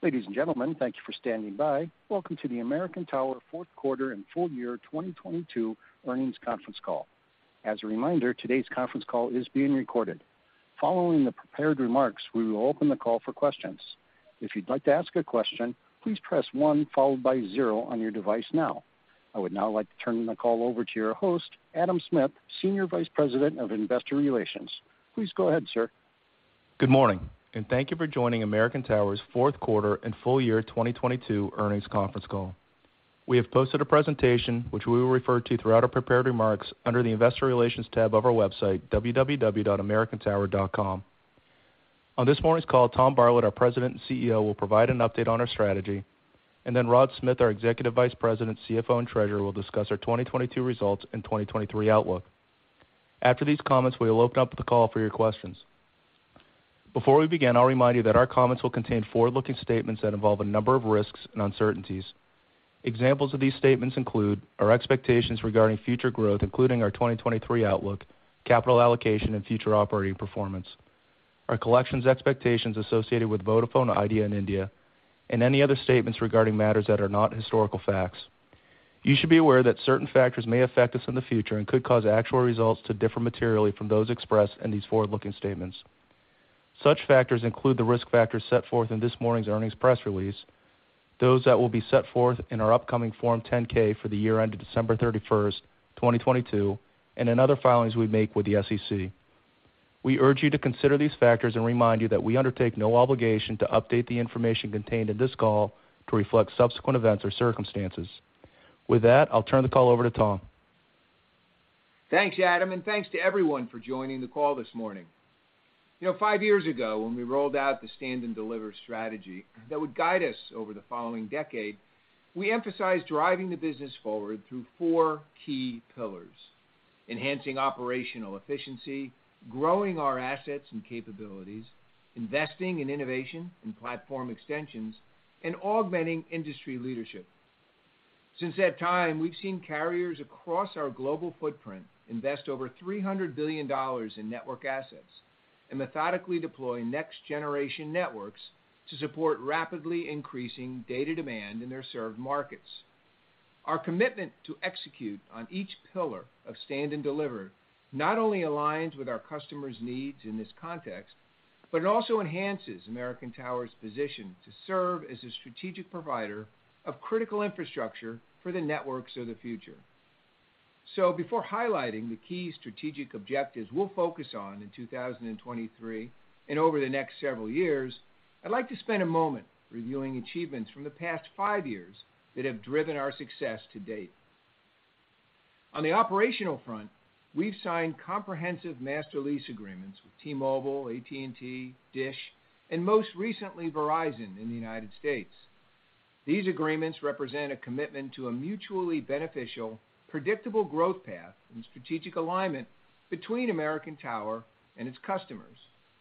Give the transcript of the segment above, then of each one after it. Ladies and gentlemen, thank you for standing by. Welcome to the American Tower fourth quarter and full year 2022 earnings conference call. As a reminder, today's conference call is being recorded. Following the prepared remarks, we will open the call for questions. If you'd like to ask a question, please press one, followed by zero on your device now. I would now like to turn the call over to your host, Adam Smith, Senior Vice President of Investor Relations. Please go ahead, sir. Good morning. Thank you for joining American Tower's fourth quarter and full year 2022 earnings conference call. We have posted a presentation which we will refer to throughout our prepared remarks under the investor relations tab of our website, www.americantower.com. On this morning's call, Tom Bartlett, our President and CEO, will provide an update on our strategy. Rod Smith, our Executive Vice President, CFO, and Treasurer, will discuss our 2022 results and 2023 outlook. After these comments, we will open up the call for your questions. Before we begin, I'll remind you that our comments will contain forward-looking statements that involve a number of risks and uncertainties. Examples of these statements include our expectations regarding future growth, including our 2023 outlook, capital allocation and future operating performance, our collections expectations associated with Vodafone Idea in India, and any other statements regarding matters that are not historical facts. You should be aware that certain factors may affect us in the future and could cause actual results to differ materially from those expressed in these forward-looking statements. Such factors include the risk factors set forth in this morning's earnings press release, those that will be set forth in our upcoming Form 10-K for the year ended December 31st, 2022, and in other filings we make with the SEC. We urge you to consider these factors and remind you that we undertake no obligation to update the information contained in this call to reflect subsequent events or circumstances. With that, I'll turn the call over to Tom. Thanks, Adam. Thanks to everyone for joining the call this morning. You know, five years ago, when we rolled out the Stand and Deliver strategy that would guide us over the following decade, we emphasized driving the business forward through four key pillars. Enhancing operational efficiency, growing our assets and capabilities, investing in innovation and platform extensions, and augmenting industry leadership. Since that time, we've seen carriers across our global footprint invest over $300 billion in network assets and methodically deploy next-generation networks to support rapidly increasing data demand in their served markets. Our commitment to execute on each pillar of Stand and Deliver not only aligns with our customers' needs in this context, but it also enhances American Tower's position to serve as a strategic provider of critical infrastructure for the networks of the future. Before highlighting the key strategic objectives we'll focus on in 2023 and over the next several years, I'd like to spend a moment reviewing achievements from the past five years that have driven our success to-date. On the operational front, we've signed comprehensive master lease agreements with T-Mobile, AT&T, Dish, and most recently, Verizon in the United States. These agreements represent a commitment to a mutually beneficial, predictable growth path and strategic alignment between American Tower and its customers,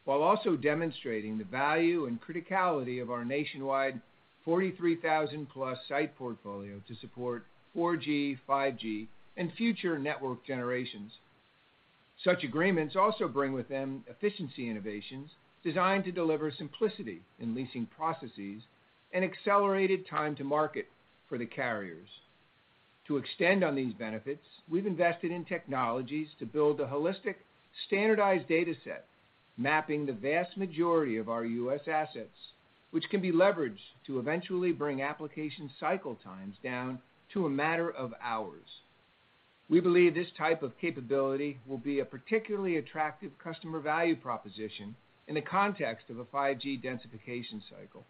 while also demonstrating the value and criticality of our nationwide 43,000-plus site portfolio to support 4G, 5G, and future network generations. Such agreements also bring with them efficiency innovations designed to deliver simplicity in leasing processes and accelerated time to market for the carriers. To extend on these benefits, we've invested in technologies to build a holistic, standardized dataset mapping the vast majority of our U.S. assets, which can be leveraged to eventually bring application cycle times down to a matter of hours. We believe this type of capability will be a particularly attractive customer value proposition in the context of a 5G densification cycle,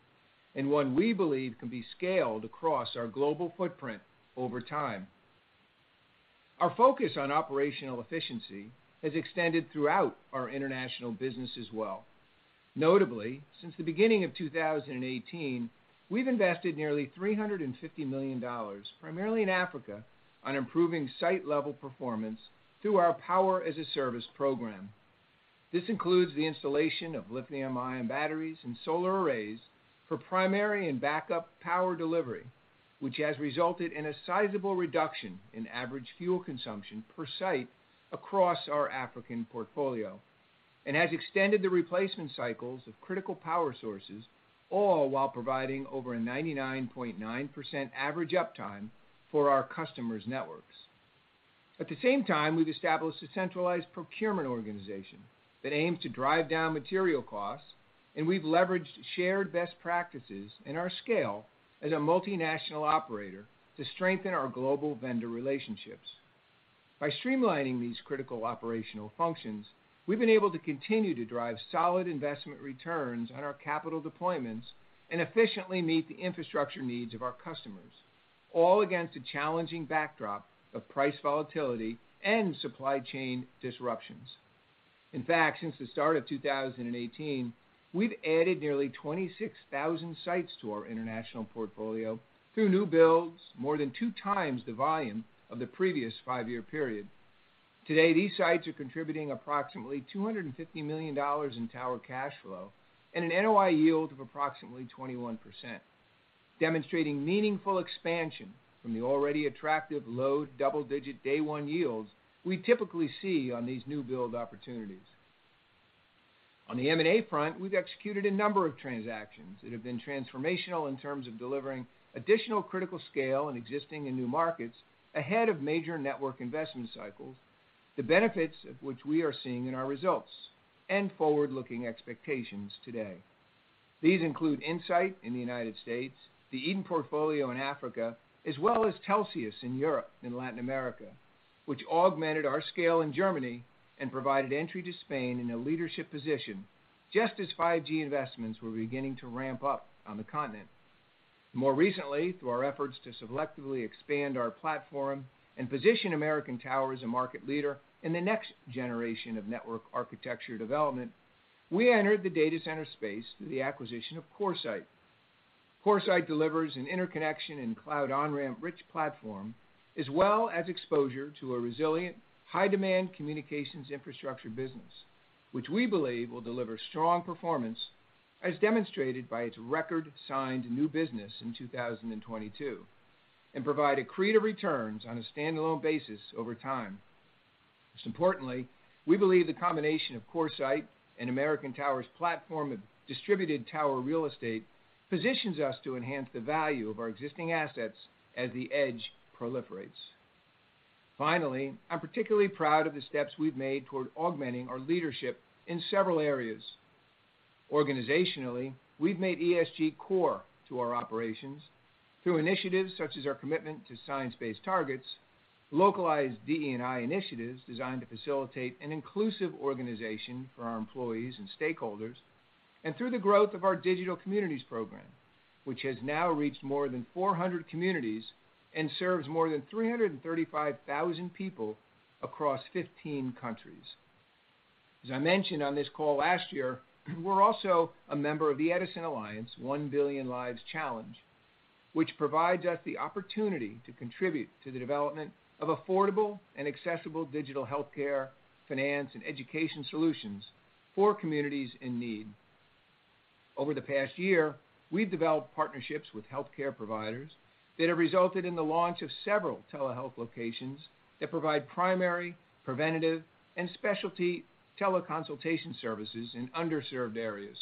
and one we believe can be scaled across our global footprint over time. Our focus on operational efficiency has extended throughout our international business as well. Notably, since the beginning of 2018, we've invested nearly $350 million, primarily in Africa, on improving site level performance through our Power-as-a-Service program. This includes the installation of lithium ion batteries and solar arrays for primary and backup power delivery, which has resulted in a sizable reduction in average fuel consumption per site across our African portfolio and has extended the replacement cycles of critical power sources, all while providing over a 99.9% average uptime for our customers' networks. At the same time, we've established a centralized procurement organization that aims to drive down material costs, and we've leveraged shared best practices in our scale as a multinational operator to strengthen our global vendor relationships. By streamlining these critical operational functions, we've been able to continue to drive solid investment returns on our capital deployments and efficiently meet the infrastructure needs of our customers, all against a challenging backdrop of price volatility and supply chain disruptions. In fact, since the start of 2018, we've added nearly 26,000 sites to our international portfolio through new builds, more than 2x the volume of the previous five-year period. Today, these sites are contributing approximately $250 million in tower cash flow and an NOI yield of approximately 21%. Demonstrating meaningful expansion from the already attractive low double-digit day one yields we typically see on these new build opportunities. On the M&A front, we've executed a number of transactions that have been transformational in terms of delivering additional critical scale in existing and new markets ahead of major network investment cycles, the benefits of which we are seeing in our results and forward-looking expectations today. These include InSite in the United States, the Eaton portfolio in Africa, as well as Telxius in Europe and Latin America, which augmented our scale in Germany and provided entry to Spain in a leadership position just as 5G investments were beginning to ramp up on the continent. More recently, through our efforts to selectively expand our platform and position American Tower as a market leader in the next generation of network architecture development, we entered the data center space through the acquisition of CoreSite. CoreSite delivers an interconnection and cloud on-ramp rich platform, as well as exposure to a resilient, high-demand communications infrastructure business, which we believe will deliver strong performance as demonstrated by its record signed new business in 2022, and provide accretive returns on a standalone basis over time. Most importantly, we believe the combination of CoreSite and American Tower's platform of distributed tower real estate positions us to enhance the value of our existing assets as the edge proliferates. Finally, I'm particularly proud of the steps we've made toward augmenting our leadership in several areas. Organizationally, we've made ESG core to our operations through initiatives such as our commitment to Science-Based Targets, localized DE&I initiatives designed to facilitate an inclusive organization for our employees and stakeholders, and through the growth of our Digital Communities program, which has now reached more than 400 communities and serves more than 335,000 people across 15 countries. As I mentioned on this call last year, we're also a member of the EDISON Alliance 1 Billion Lives Challenge, which provides us the opportunity to contribute to the development of affordable and accessible digital healthcare, finance, and education solutions for communities in need. Over the past year, we've developed partnerships with healthcare providers that have resulted in the launch of several telehealth locations that provide primary, preventative, and specialty teleconsultation services in underserved areas.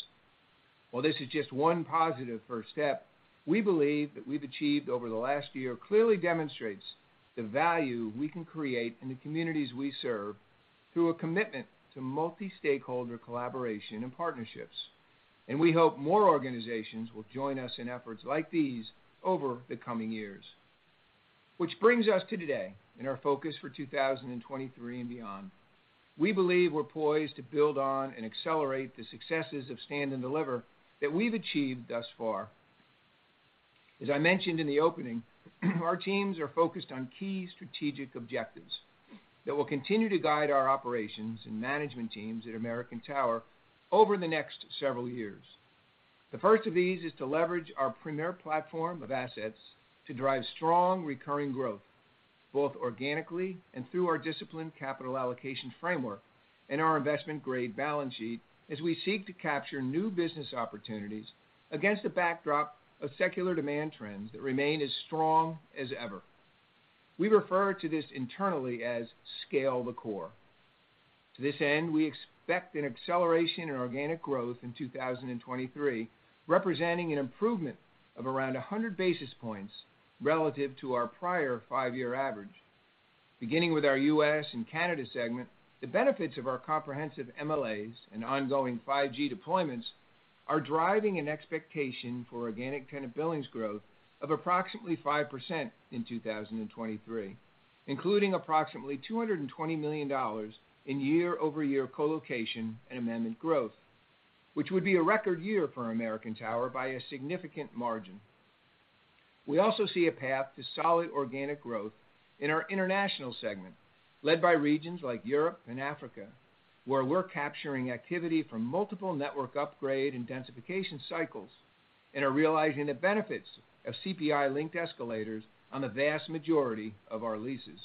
While this is just one positive first step, we believe that we've achieved over the last year clearly demonstrates the value we can create in the communities we serve through a commitment to multi-stakeholder collaboration and partnerships, and we hope more organizations will join us in efforts like these over the coming years. Which brings us to today and our focus for 2023 and beyond. We believe we're poised to build on and accelerate the successes of Stand and Deliver that we've achieved thus far. As I mentioned in the opening, our teams are focused on key strategic objectives that will continue to guide our operations and management teams at American Tower over the next several years. The first of these is to leverage our premier platform of assets to drive strong recurring growth, both organically and through our disciplined capital allocation framework and our investment-grade balance sheet as we seek to capture new business opportunities against a backdrop of secular demand trends that remain as strong as ever. We refer to this internally as Scale the Core. To this end, we expect an acceleration in organic growth in 2023, representing an improvement of around 100 basis points relative to our prior five-year average. Beginning with our U.S. and Canada segment, the benefits of our comprehensive MLAs and ongoing 5G deployments are driving an expectation for organic tenant billings growth of approximately 5% in 2023, including approximately $220 million in year-over-year co-location and amendment growth, which would be a record year for American Tower by a significant margin. We also see a path to solid organic growth in our international segment, led by regions like Europe and Africa, where we're capturing activity from multiple network upgrade intensification cycles and are realizing the benefits of CPI-linked escalators on the vast majority of our leases.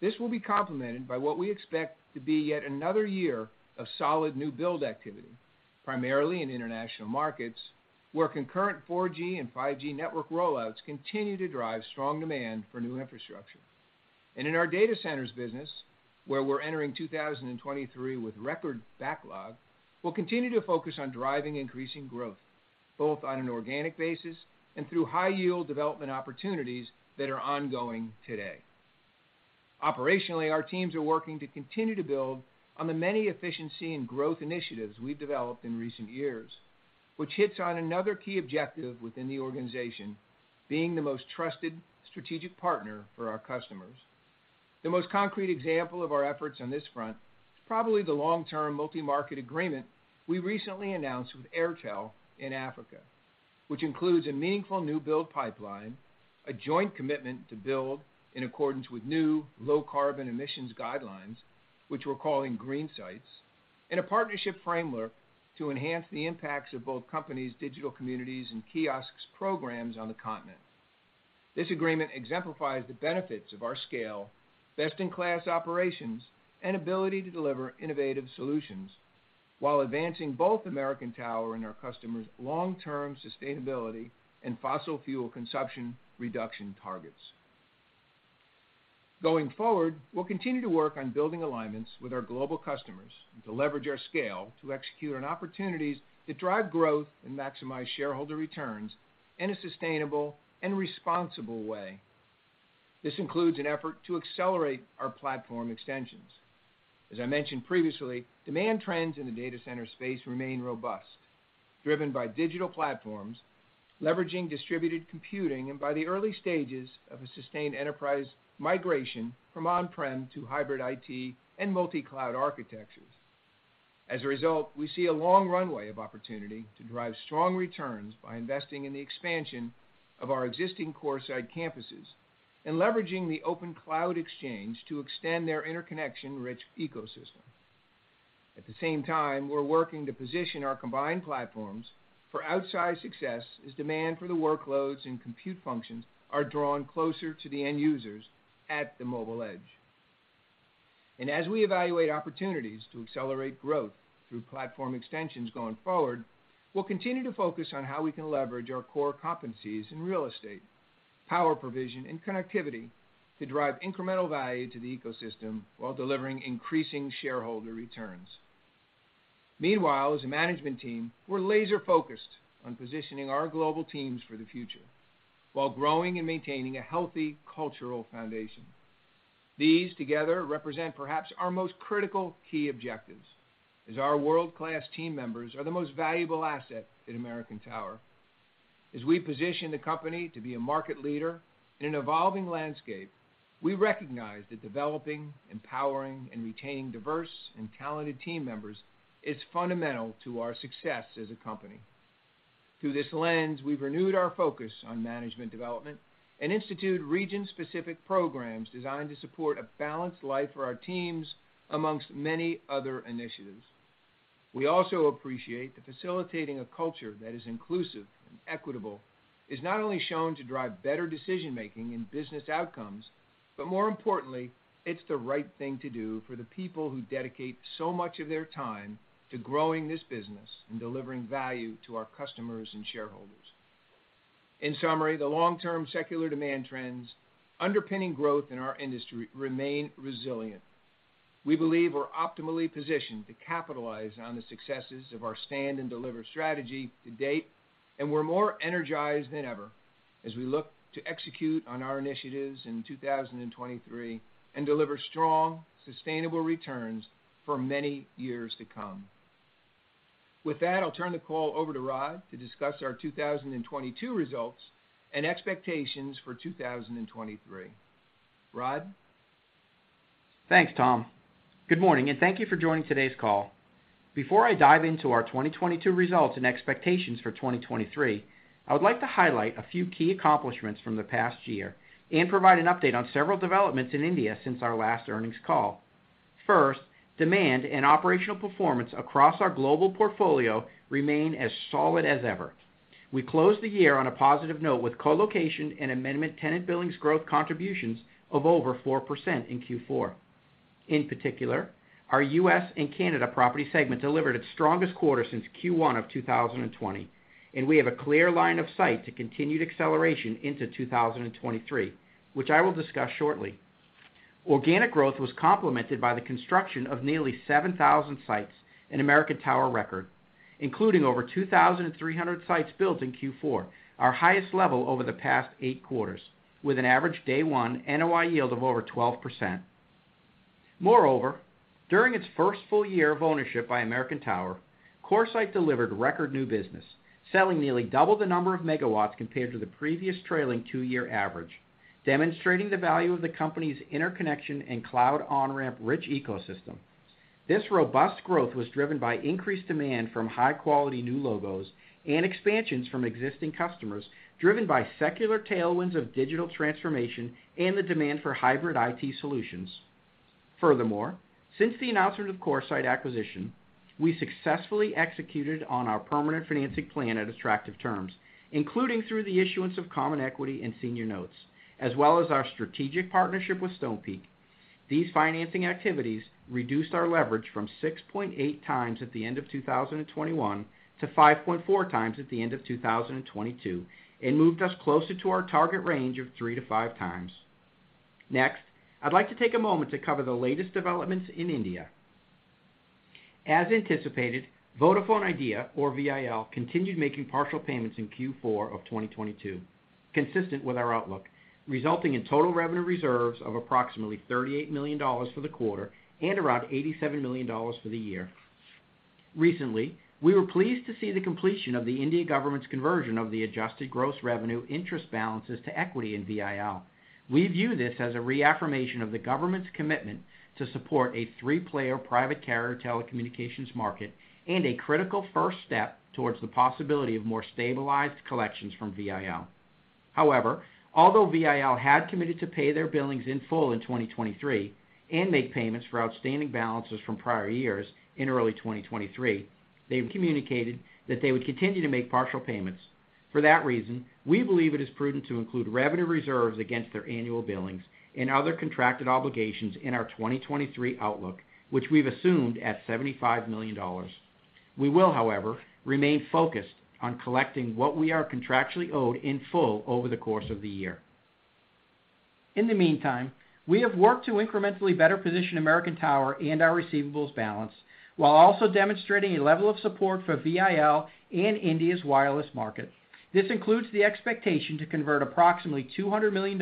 This will be complemented by what we expect to be yet another year of solid new build activity, primarily in international markets, where concurrent 4G and 5G network rollouts continue to drive strong demand for new infrastructure. In our data centers business, where we're entering 2023 with record backlog, we'll continue to focus on driving increasing growth, both on an organic basis and through high-yield development opportunities that are ongoing today. Operationally, our teams are working to continue to build on the many efficiency and growth initiatives we've developed in recent years, which hits on another key objective within the organization, being the most trusted strategic partner for our customers. The most concrete example of our efforts on this front is probably the long-term multi-market agreement we recently announced with Airtel in Africa, which includes a meaningful new build pipeline, a joint commitment to build in accordance with new low carbon emissions guidelines, which we're calling Green Sites, and a partnership framework to enhance the impacts of both companies' Digital Communities and kiosks programs on the continent. This agreement exemplifies the benefits of our scale, best-in-class operations, and ability to deliver innovative solutions while advancing both American Tower and our customers' long-term sustainability and fossil fuel consumption reduction targets. Going forward, we'll continue to work on building alignments with our global customers to leverage our scale to execute on opportunities that drive growth and maximize shareholder returns in a sustainable and responsible way. This includes an effort to accelerate our platform extensions. As I mentioned previously, demand trends in the data center space remain robust, driven by digital platforms, leveraging distributed computing, and by the early stages of a sustained enterprise migration from on-prem to hybrid IT and multi-cloud architectures. As a result, we see a long runway of opportunity to drive strong returns by investing in the expansion of our existing CoreSite campuses and leveraging the Open Cloud Exchange to extend their interconnection-rich ecosystem. At the same time, we're working to position our combined platforms for outsized success as demand for the workloads and compute functions are drawn closer to the end users at the mobile edge. As we evaluate opportunities to accelerate growth through platform extensions going forward, we'll continue to focus on how we can leverage our core competencies in real estate, power provision, and connectivity to drive incremental value to the ecosystem while delivering increasing shareholder returns. Meanwhile, as a management team, we're laser-focused on positioning our global teams for the future while growing and maintaining a healthy cultural foundation. These together represent perhaps our most critical key objectives, as our world-class team members are the most valuable asset at American Tower. As we position the company to be a market leader in an evolving landscape, we recognize that developing, empowering, and retaining diverse and talented team members is fundamental to our success as a company. Through this lens, we've renewed our focus on management development and instituted region-specific programs designed to support a balanced life for our teams, amongst many other initiatives. We also appreciate that facilitating a culture that is inclusive and equitable is not only shown to drive better decision-making in business outcomes, but more importantly, it's the right thing to do for the people who dedicate so much of their time to growing this business and delivering value to our customers and shareholders. In summary, the long-term secular demand trends underpinning growth in our industry remain resilient. We believe we're optimally positioned to capitalize on the successes of our Stand and Deliver strategy to date, and we're more energized than ever as we look to execute on our initiatives in 2023 and deliver strong, sustainable returns for many years to come. With that, I'll turn the call over to Rod to discuss our 2022 results and expectations for 2023. Rod? Thanks, Tom. Good morning, thank you for joining today's call. Before I dive into our 2022 results and expectations for 2023, I would like to highlight a few key accomplishments from the past year and provide an update on several developments in India since our last earnings call. Demand and operational performance across our global portfolio remain as solid as ever. We closed the year on a positive note with colocation and amendment tenant billings growth contributions of over 4% in Q4. Our U.S. and Canada property segment delivered its strongest quarter since Q1 of 2020, we have a clear line of sight to continued acceleration into 2023, which I will discuss shortly. Organic growth was complemented by the construction of nearly 7,000 sites, an American Tower record, including over 2,300 sites built in Q4, our highest level over the past eight quarters, with an average day one NOI yield of over 12%. Moreover, during its first full year of ownership by American Tower, CoreSite delivered record new business, selling nearly double the number of megawatts compared to the previous trailing two-year average, demonstrating the value of the company's interconnection and cloud on-ramp rich ecosystem. This robust growth was driven by increased demand from high-quality new logos and expansions from existing customers, driven by secular tailwinds of digital transformation and the demand for hybrid IT solutions. Since the announcement of CoreSite acquisition, we successfully executed on our permanent financing plan at attractive terms, including through the issuance of common equity and senior notes, as well as our strategic partnership with Stonepeak. These financing activities reduced our leverage from 6.8x at the end of 2021 to 5.4x at the end of 2022 and moved us closer to our target range of 3x-5x. I'd like to take a moment to cover the latest developments in India. As anticipated, Vodafone Idea, or VIL, continued making partial payments in Q4 of 2022, consistent with our outlook, resulting in total revenue reserves of approximately $38 million for the quarter and around $87 million for the year. Recently, we were pleased to see the completion of the India government's conversion of the Adjusted Gross Revenue interest balances to equity in VIL. We view this as a reaffirmation of the government's commitment to support a three-player private carrier telecommunications market and a critical first step towards the possibility of more stabilized collections from VIL. However, although VIL had committed to pay their billings in full in 2023 and make payments for outstanding balances from prior years in early 2023, they've communicated that they would continue to make partial payments. For that reason, we believe it is prudent to include revenue reserves against their annual billings and other contracted obligations in our 2023 outlook, which we've assumed at $75 million. We will, however, remain focused on collecting what we are contractually owed in full over the course of the year. In the meantime, we have worked to incrementally better position American Tower and our receivables balance, while also demonstrating a level of support for VIL in India's wireless market. This includes the expectation to convert approximately $200 million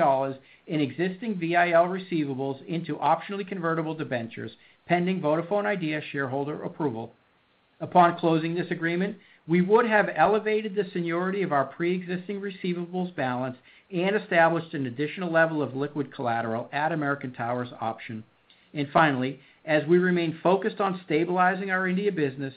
in existing VIL receivables into optionally convertible debentures, pending Vodafone Idea shareholder approval. Upon closing this agreement, we would have elevated the seniority of our pre-existing receivables balance and established an additional level of liquid collateral at American Tower's option. Finally, as we remain focused on stabilizing our India business,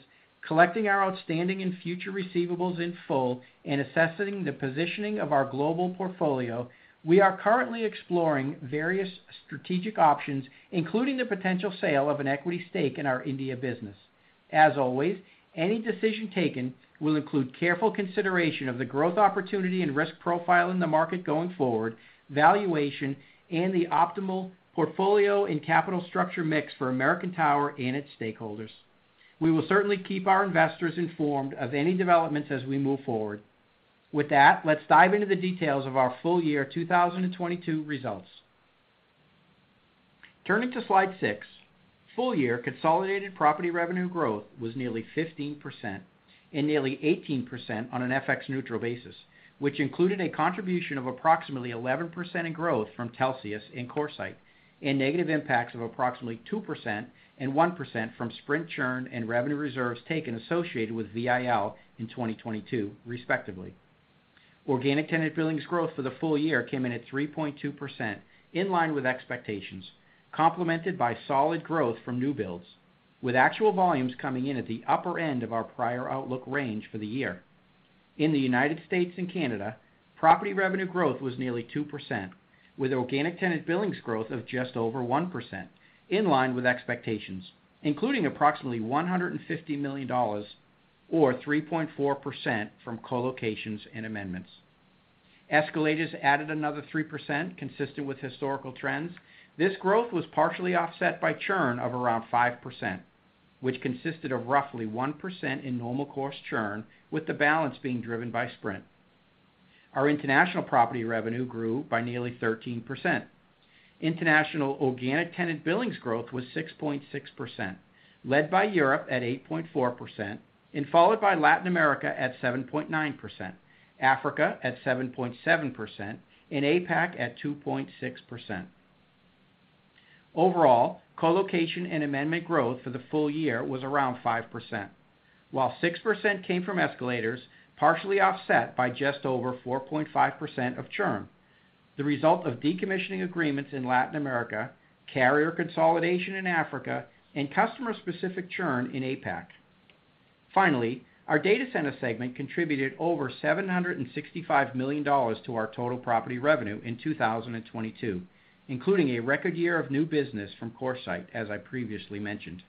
collecting our outstanding and future receivables in full, and assessing the positioning of our global portfolio, we are currently exploring various strategic options, including the potential sale of an equity stake in our India business. As always, any decision taken will include careful consideration of the growth opportunity and risk profile in the market going forward, valuation, and the optimal portfolio and capital structure mix for American Tower and its stakeholders. We will certainly keep our investors informed of any developments as we move forward. With that, let's dive into the details of our full year 2022 results. Turning to slide six, full year consolidated property revenue growth was nearly 15%, and nearly 18% on an FX neutral basis, which included a contribution of approximately 11% in growth from Telxius and CoreSite, and negative impacts of approximately 2% and 1% from Sprint churn and revenue reserves taken associated with VIL in 2022, respectively. Organic tenant billings growth for the full year came in at 3.2%, in line with expectations, complemented by solid growth from new builds, with actual volumes coming in at the upper end of our prior outlook range for the year. In the United States and Canada, property revenue growth was nearly 2%, with organic tenant billings growth of just over 1%, in line with expectations, including approximately $150 million or 3.4% from co-locations and amendments. Escalators added another 3% consistent with historical trends. This growth was partially offset by churn of around 5%, which consisted of roughly 1% in normal course churn, with the balance being driven by Sprint. Our international property revenue grew by nearly 13%. International organic tenant billings growth was 6.6%, led by Europe at 8.4% and followed by Latin America at 7.9%, Africa at 7.7%, and APAC at 2.6%. Overall, colocation and amendment growth for the full year was around 5%, while 6% came from escalators, partially offset by just over 4.5% of churn, the result of decommissioning agreements in Latin America, carrier consolidation in Africa, and customer-specific churn in APAC. Our data center segment contributed over $765 million to our total property revenue in 2022, including a record year of new business from CoreSite, as I previously mentioned.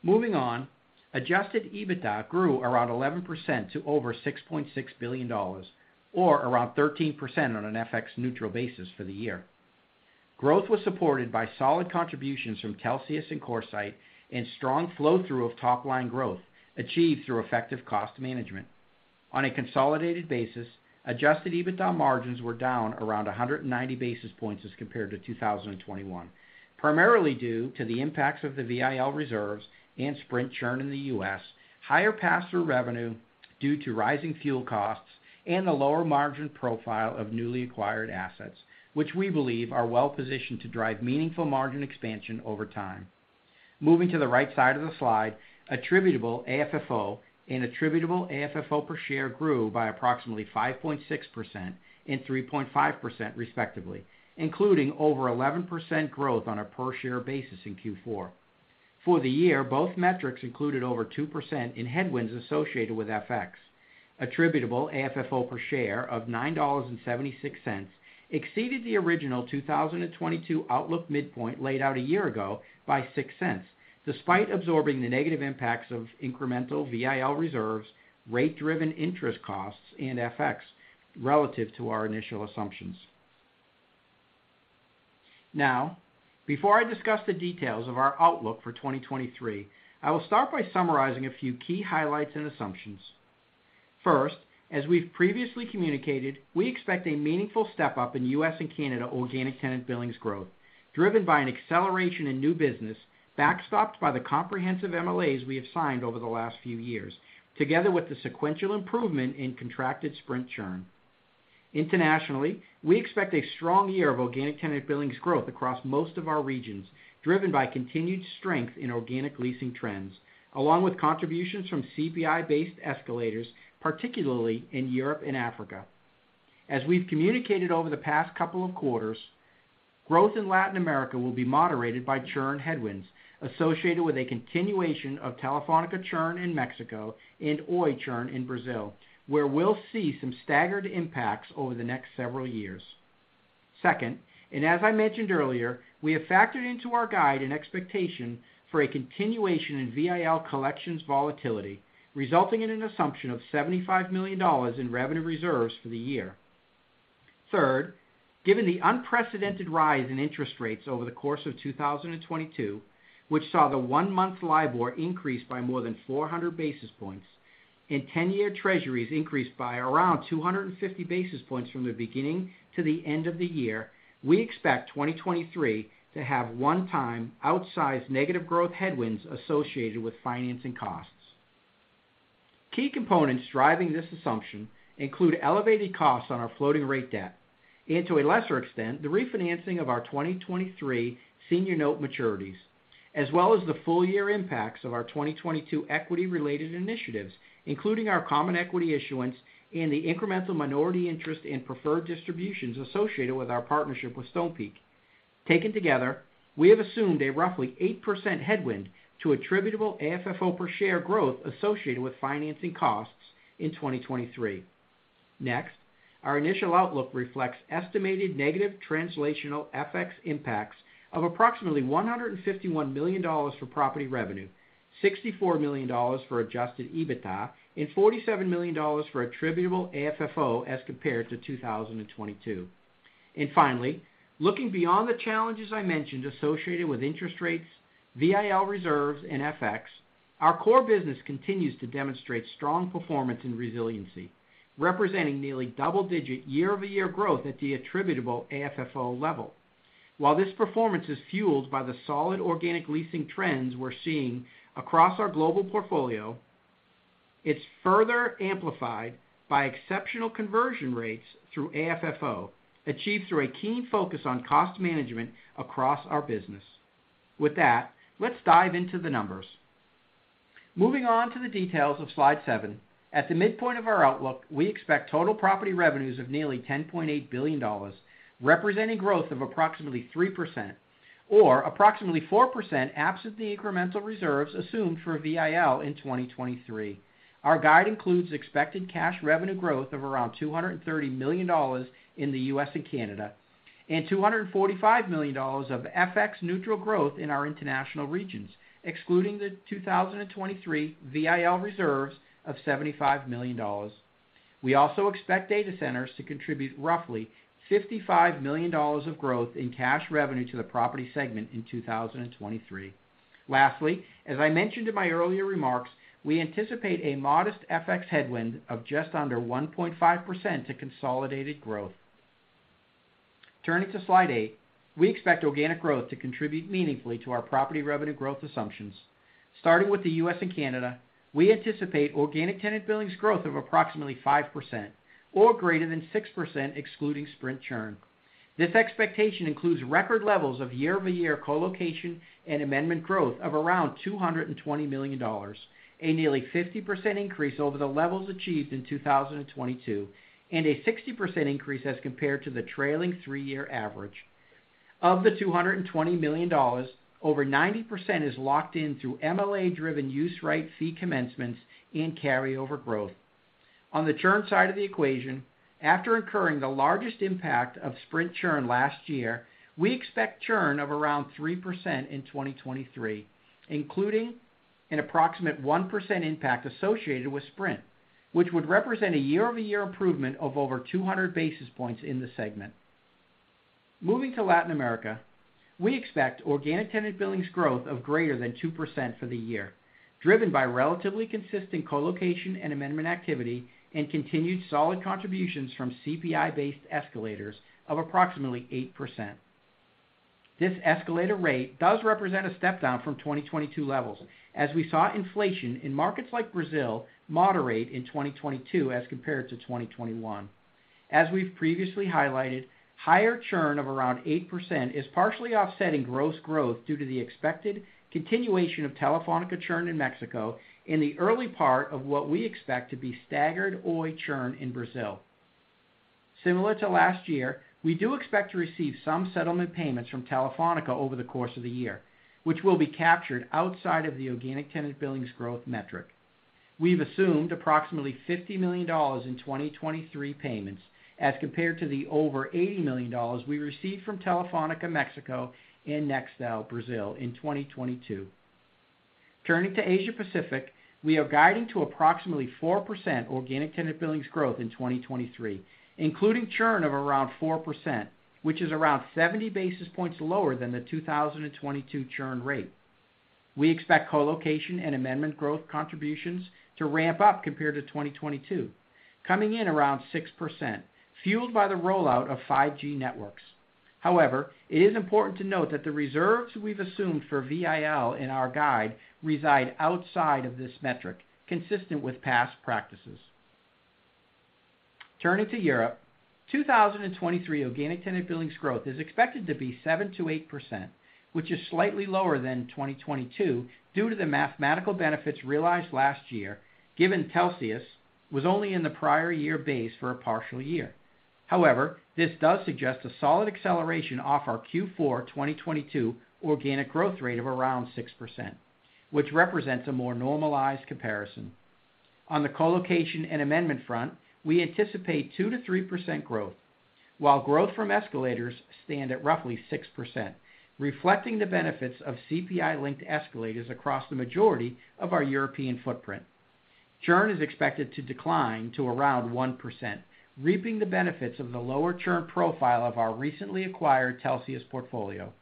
Moving on, Adjusted EBITDA grew around 11% to over $6.6 billion or around 13% on an FX-neutral basis for the year. Growth was supported by solid contributions from Telxius and CoreSite and strong flow-through of top-line growth achieved through effective cost management. On a consolidated basis, Adjusted EBITDA margins were down around 190 basis points as compared to 2021, primarily due to the impacts of the VIL reserves and Sprint churn in the U.S., higher pass-through revenue due to rising fuel costs, and the lower margin profile of newly acquired assets, which we believe are well positioned to drive meaningful margin expansion over time. Moving to the right side of the slide, attributable AFFO and attributable AFFO per share grew by approximately 5.6% and 3.5% respectively, including over 11% growth on a per share basis in Q4. For the year, both metrics included over 2% in headwinds associated with FX. Attributable AFFO per share of $9.76 exceeded the original 2022 outlook midpoint laid out a year ago by $0.06, despite absorbing the negative impacts of incremental VIL reserves, rate-driven interest costs and FX relative to our initial assumptions. Before I discuss the details of our outlook for 2023, I will start by summarizing a few key highlights and assumptions. First, as we've previously communicated, we expect a meaningful step-up in U.S. and Canada organic tenant billings growth driven by an acceleration in new business backstopped by the comprehensive MLAs we have signed over the last few years, together with the sequential improvement in contracted Sprint churn. Internationally, we expect a strong year of organic tenant billings growth across most of our regions, driven by continued strength in organic leasing trends, along with contributions from CPI-based escalators, particularly in Europe and Africa. As we've communicated over the past couple of quarters, growth in Latin America will be moderated by churn headwinds associated with a continuation of Telefónica churn in Mexico and Oi churn in Brazil, where we'll see some staggered impacts over the next several years. Second, as I mentioned earlier, we have factored into our guide an expectation for a continuation in VIL collections volatility, resulting in an assumption of $75 million in revenue reserves for the year. Third, given the unprecedented rise in interest rates over the course of 2022, which saw the one-month LIBOR increase by more than 400 basis points and 10-year Treasuries increase by around 250 basis points from the beginning to the end of the year, we expect 2023 to have one-time outsized negative growth headwinds associated with financing costs. Key components driving this assumption include elevated costs on our floating rate debt and, to a lesser extent, the refinancing of our 2023 senior note maturities, as well as the full year impacts of our 2022 equity-related initiatives, including our common equity issuance and the incremental minority interest in preferred distributions associated with our partnership with Stonepeak. Taken together, we have assumed a roughly 8% headwind to attributable AFFO per share growth associated with financing costs in 2023. Our initial outlook reflects estimated negative translational FX impacts of approximately $151 million for property revenue, $64 million for Adjusted EBITDA, and $47 million for attributable AFFO as compared to 202 Finally, looking beyond the challenges I mentioned associated with interest rates, VIL reserves, and FX, our core business continues to demonstrate strong performance and resiliency, representing nearly double-digit year-over-year growth at the attributable AFFO level. While this performance is fueled by the solid organic leasing trends we're seeing across our global portfolio, it's further amplified by exceptional conversion rates through AFFO, achieved through a keen focus on cost management across our business. With that, let's dive into the numbers. Moving on to the details of slide seven, at the midpoint of our outlook, we expect total property revenues of nearly $10.8 billion, representing growth of approximately 3% or approximately 4% absent the incremental reserves assumed for VIL in 2023. Our guide includes expected cash revenue growth of around $230 million in the U.S. and Canada, and $245 million of FX neutral growth in our international regions, excluding the 2023 VIL reserves of $75 million. We also expect data centers to contribute roughly $55 million of growth in cash revenue to the property segment in 2023. Lastly, as I mentioned in my earlier remarks, we anticipate a modest FX headwind of just under 1.5% to consolidated growth. Turning to slide eight, we expect organic growth to contribute meaningfully to our property revenue growth assumptions. Starting with the U.S. and Canada, we anticipate organic tenant billings growth of approximately 5% or greater than 6% excluding Sprint churn. This expectation includes record levels of year-over-year colocation and amendment growth of around $220 million, a nearly 50% increase over the levels achieved in 2022 and a 60% increase as compared to the trailing three-year average. Of the $220 million, over 90% is locked in through MLA-driven use right fee commencements and carryover growth. On the churn side of the equation, after incurring the largest impact of Sprint churn last year, we expect churn of around 3% in 2023, including an approximate 1% impact associated with Sprint, which would represent a year-over-year improvement of over 200 basis points in the segment. Moving to Latin America, we expect organic tenant billings growth of greater than 2% for the year, driven by relatively consistent colocation and amendment activity and continued solid contributions from CPI-based escalators of approximately 8%. This escalator rate does represent a step down from 2022 levels as we saw inflation in markets like Brazil moderate in 2022 as compared to 2021. As we've previously highlighted, higher churn of around 8% is partially offsetting gross growth due to the expected continuation of Telefónica churn in Mexico in the early part of what we expect to be staggered Oi churn in Brazil. Similar to last year, we do expect to receive some settlement payments from Telefónica over the course of the year, which will be captured outside of the organic tenant billings growth metric. We've assumed approximately $50 million in 2023 payments as compared to the over $80 million we received from Telefónica Mexico and Nextel Brazil in 2022. Turning to Asia Pacific, we are guiding to approximately 4% organic tenant billings growth in 2023, including churn of around 4%, which is around 70 basis points lower than the 2022 churn rate. We expect colocation and amendment growth contributions to ramp up compared to 2022, coming in around 6%, fueled by the rollout of 5G networks. It is important to note that the reserves we've assumed for VIL in our guide reside outside of this metric, consistent with past practices. Turning to Europe, 2023 organic tenant billings growth is expected to be 7%-8%, which is slightly lower than 2022 due to the mathematical benefits realized last year given Telxius was only in the prior year base for a partial year. This does suggest a solid acceleration off our Q4 2022 organic growth rate of around 6%, which represents a more normalized comparison. On the co-location and amendment front, we anticipate 2%-3% growth, while growth from escalators stand at roughly 6%, reflecting the benefits of CPI-linked escalators across the majority of our European footprint. Churn is expected to decline to around 1%, reaping the benefits of the lower churn profile of our recently acquired Telxius portfolio.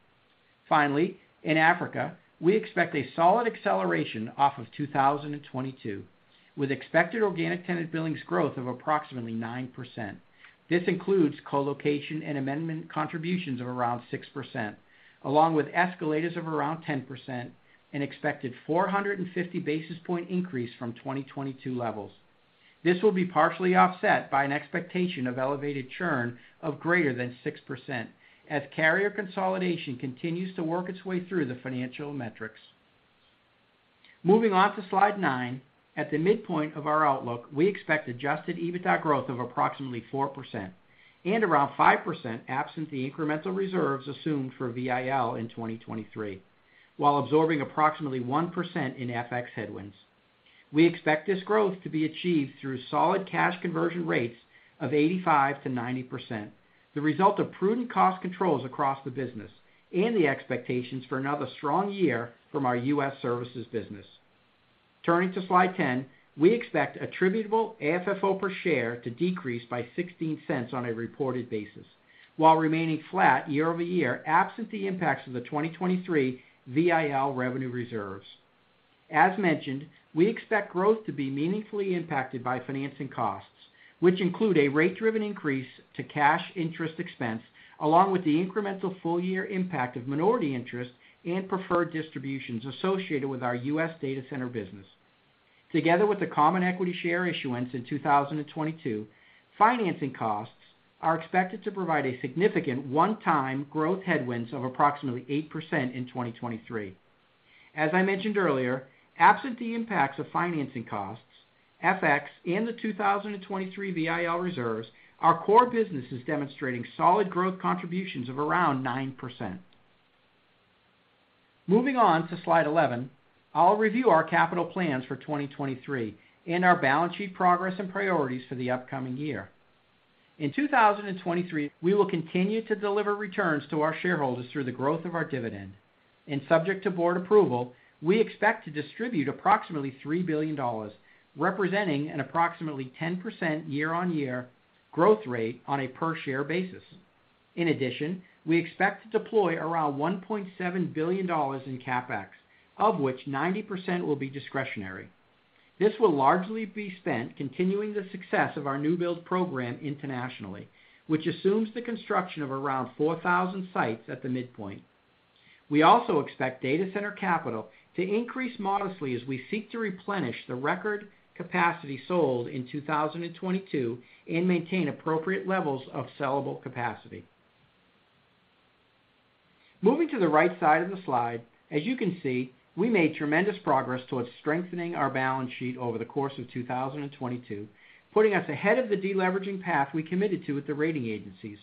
Finally, in Africa, we expect a solid acceleration off of 2022, with expected organic tenant billings growth of approximately 9%. This includes co-location and amendment contributions of around 6%, along with escalators of around 10% and expected 450 basis point increase from 2022 levels. This will be partially offset by an expectation of elevated churn of greater than 6% as carrier consolidation continues to work its way through the financial metrics. Moving on to slide nine. At the midpoint of our outlook, we expect Adjusted EBITDA growth of approximately 4% and around 5% absent the incremental reserves assumed for VIL in 2023, while absorbing approximately 1% in FX headwinds. We expect this growth to be achieved through solid cash conversion rates of 85%-90%, the result of prudent cost controls across the business and the expectations for another strong year from our U.S. services business. Turning to slide 10. We expect attributable AFFO per share to decrease by $0.16 on a reported basis while remaining flat year-over-year, absent the impacts of the 2023 VIL revenue reserves. As mentioned, we expect growth to be meaningfully impacted by financing costs, which include a rate-driven increase to cash interest expense, along with the incremental full-year impact of minority interest and preferred distributions associated with our U.S. data center business. Together with the common equity share issuance in 2022, financing costs are expected to provide a significant one-time growth headwinds of approximately 8% in 2023. As I mentioned earlier, absent the impacts of financing costs, FX and the 2023 VIL reserves, our core business is demonstrating solid growth contributions of around 9%. Moving on to slide 11. I'll review our capital plans for 2023 and our balance sheet progress and priorities for the upcoming year. In 2023, we will continue to deliver returns to our shareholders through the growth of our dividend, and subject to board approval, we expect to distribute approximately $3 billion, representing an approximately 10% year-on-year growth rate on a per-share basis. In addition, we expect to deploy around $1.7 billion in CapEx, of which 90% will be discretionary. This will largely be spent continuing the success of our new build program internationally, which assumes the construction of around 4,000 sites at the midpoint. We also expect data center capital to increase modestly as we seek to replenish the record capacity sold in 2022 and maintain appropriate levels of sellable capacity. Moving to the right side of the slide, as you can see, we made tremendous progress towards strengthening our balance sheet over the course of 2022, putting us ahead of the deleveraging path we committed to with the rating agencies,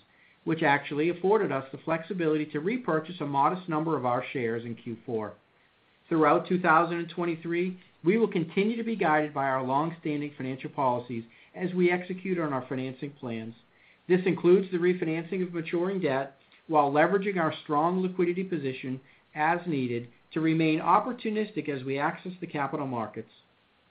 which actually afforded us the flexibility to repurchase a modest number of our shares in Q4. Throughout 2023, we will continue to be guided by our long-standing financial policies as we execute on our financing plans. This includes the refinancing of maturing debt while leveraging our strong liquidity position as needed to remain opportunistic as we access the capital markets.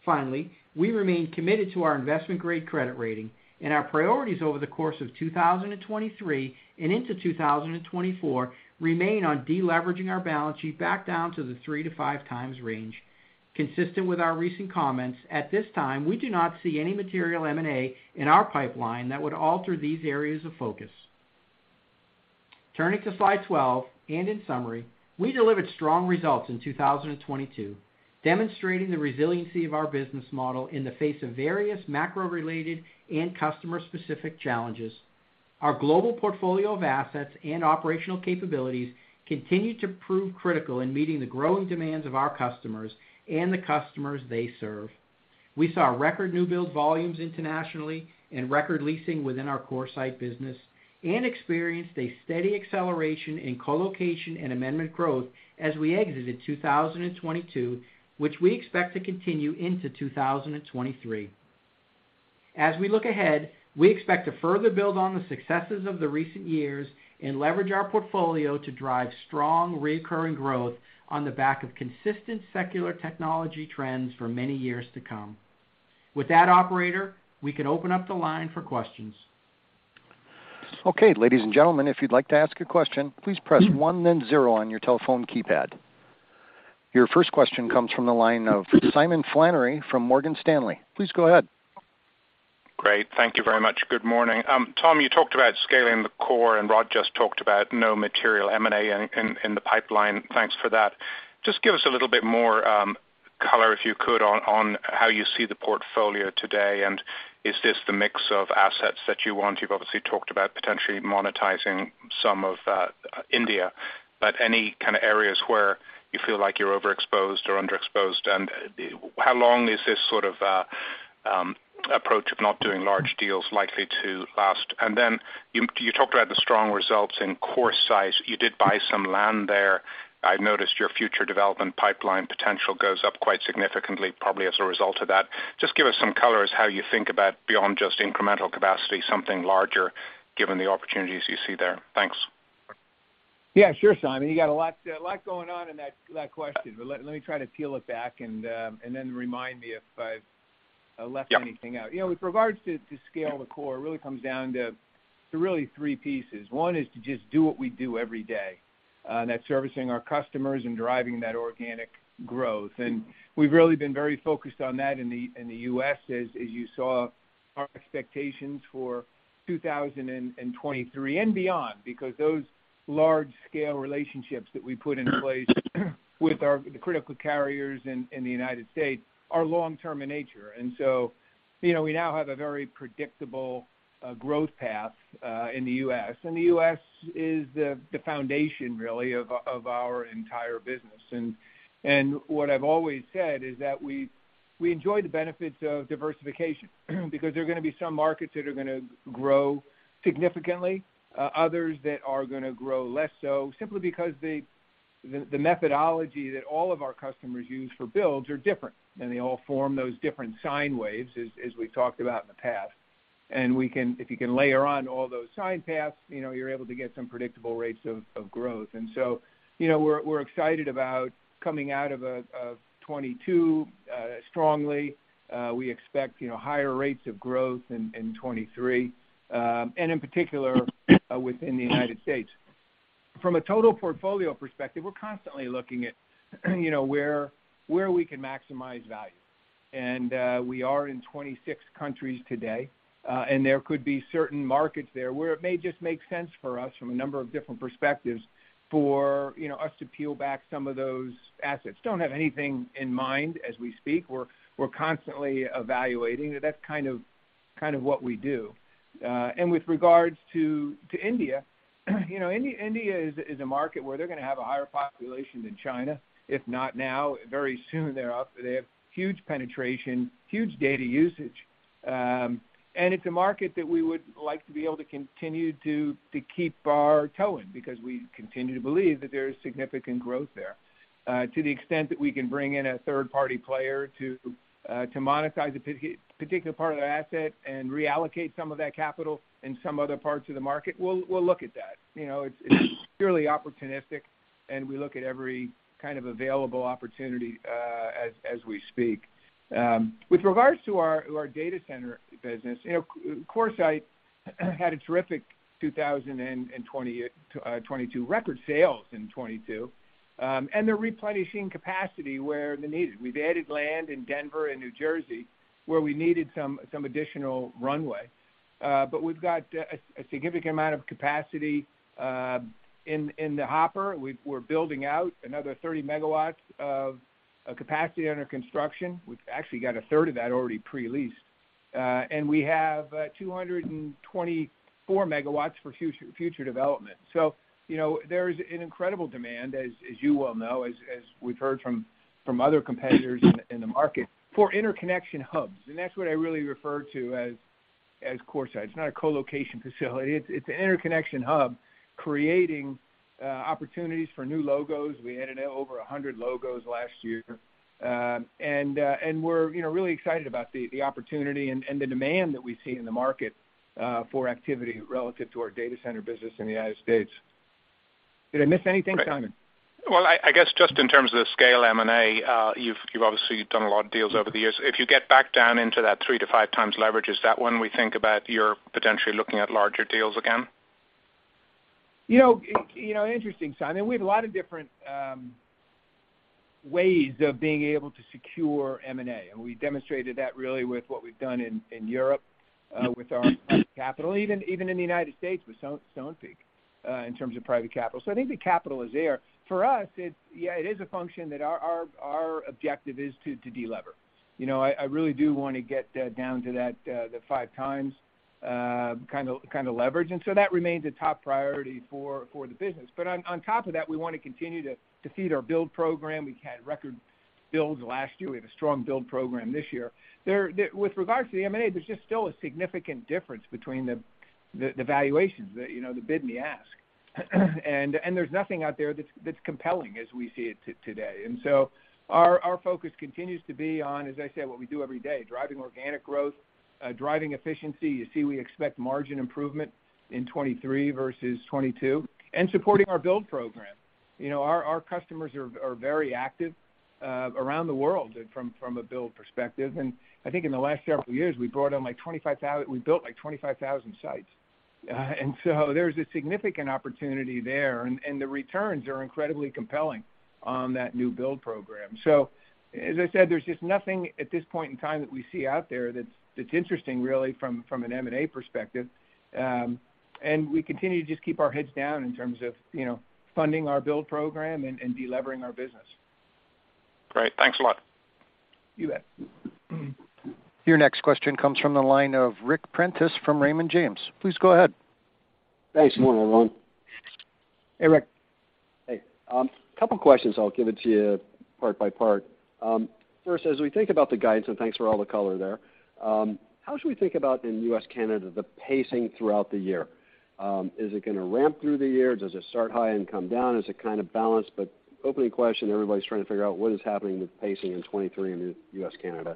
Finally, we remain committed to our investment-grade credit rating, our priorities over the course of 2023 and into 2024 remain on deleveraging our balance sheet back down to the 3x-5x range. Consistent with our recent comments, at this time, we do not see any material M&A in our pipeline that would alter these areas of focus. Turning to slide 12 and in summary, we delivered strong results in 2022, demonstrating the resiliency of our business model in the face of various macro-related and customer-specific challenges. Our global portfolio of assets and operational capabilities continue to prove critical in meeting the growing demands of our customers and the customers they serve. We saw record new build volumes internationally and record leasing within our CoreSite business and experienced a steady acceleration in co-location and amendment growth as we exited 2022, which we expect to continue into 2023. As we look ahead, we expect to further build on the successes of the recent years and leverage our portfolio to drive strong reoccurring growth on the back of consistent secular technology trends for many years to come. With that, operator, we can open up the line for questions. Okay, ladies and gentlemen, if you'd like to ask a question, please press one then zero on your telephone keypad. Your first question comes from the line of Simon Flannery from Morgan Stanley. Please go ahead. Great. Thank you very much. Good morning. Tom, you talked about Scale the Core, Rod just talked about no material M&A in the pipeline. Thanks for that. Just give us a little bit more color, if you could, on how you see the portfolio today, is this the mix of assets that you want? You've obviously talked about potentially monetizing some of that India, any kind of areas where you feel like you're overexposed or underexposed? How long is this sort of approach of not doing large deals likely to last? You talked about the strong results in CoreSite. You did buy some land there. I've noticed your future development pipeline potential goes up quite significantly, probably as a result of that. Just give us some color as how you think about beyond just incremental capacity, something larger, given the opportunities you see there. Thanks. Yeah. Sure, Simon. You got a lot going on in that question, let me try to peel it back and remind me if I've left anything out. Yeah. You know, with regards to Scale the Core, it really comes down to really 3 pieces. One is to just do what we do every day, and that's servicing our customers and driving that organic growth. We've really been very focused on that in the U.S. as you saw our expectations for 2023 and beyond. Those large scale relationships that we put in place with the critical carriers in the United States are long-term in nature. So, you know, we now have a very predictable growth path in the U.S. The U.S. is the foundation really of our entire business. What I've always said is that we enjoy the benefits of diversification because there are gonna be some markets that are gonna grow significantly, others that are gonna grow less so simply because the methodology that all of our customers use for builds are different, and they all form those different sine waves as we've talked about in the past. If you can layer on all those sine paths, you know, you're able to get some predictable rates of growth. You know, we're excited about coming out of 2022 strongly. We expect, you know, higher rates of growth in 2023, and in particular, within the United States. From a total portfolio perspective, we're constantly looking at, you know, where we can maximize value. We are in 26 countries today, and there could be certain markets there where it may just make sense for us from a number of different perspectives for, you know, us to peel back some of those assets. Don't have anything in mind as we speak. We're constantly evaluating. That's kind of what we do. With regards to India, you know, India is a market where they're gonna have a higher population than China, if not now, very soon they're up. They have huge penetration, huge data usage. It's a market that we would like to be able to continue to keep our toe in because we continue to believe that there is significant growth there. To the extent that we can bring in a third-party player to monetize a particular part of the asset and reallocate some of that capital in some other parts of the market, we'll look at that. You know, it's purely opportunistic. We look at every kind of available opportunity, as we speak. With regards to our data center business, you know, CoreSite had a terrific 2022, record sales in 2022. They're replenishing capacity where the need is. We've added land in Denver and New Jersey, where we needed some additional runway. We've got a significant amount of capacity in the hopper. We're building out another 30 MW of capacity under construction. We've actually got a third of that already pre-leased. We have 224 MW for future development. You know, there's an incredible demand, as you well know, as we've heard from other competitors in the market for interconnection hubs. That's what I really refer to as CoreSite. It's not a colocation facility. It's an interconnection hub creating opportunities for new logos. We added over 100 logos last year. We're, you know, really excited about the opportunity and the demand that we see in the market for activity relative to our data center business in the United States. Did I miss anything, Simon? Well, I guess just in terms of the scale M&A, you've obviously done a lot of deals over the years. If you get back down into that 3x-5x leverage, is that when we think about you're potentially looking at larger deals again? You know, interesting, Simon. We have a lot of different ways of being able to secure M&A, and we demonstrated that really with what we've done in Europe with our private capital. Even in the United States with Stonepeak in terms of private capital. I think the capital is there. For us, it's. Yeah, it is a function that our objective is to delever. You know, I really do wanna get down to that the 5x kind of leverage. That remains a top priority for the business. On top of that, we wanna continue to feed our build program. We had record builds last year. We have a strong build program this year. With regards to the M&A, there's just still a significant difference between the, the valuations that, you know, the bid and the ask. There's nothing out there that's compelling as we see it today. Our focus continues to be on, as I said, what we do every day, driving organic growth, driving efficiency. You see, we expect margin improvement in 2023 versus 2022 and supporting our build program. You know, our customers are very active around the world from a build perspective. I think in the last several years, we built like 25,000 sites. There's a significant opportunity there, and the returns are incredibly compelling on that new build program. As I said, there's just nothing at this point in time that we see out there that's interesting really from an M&A perspective. We continue to just keep our heads down in terms of, you know, funding our build program and delevering our business. Great. Thanks a lot. You bet. Your next question comes from the line of Ric Prentiss from Raymond James. Please go ahead. Thanks. Morning, Tom. Hey, Ric. Hey. Couple questions. I'll give it to you part by part. First, as we think about the guidance, and thanks for all the color there, how should we think about in U.S., Canada, the pacing throughout the year? Is it gonna ramp through the year? Does it start high and come down? Is it kind of balanced? Opening question, everybody's trying to figure out what is happening with pacing in 2023 in U.S., Canada.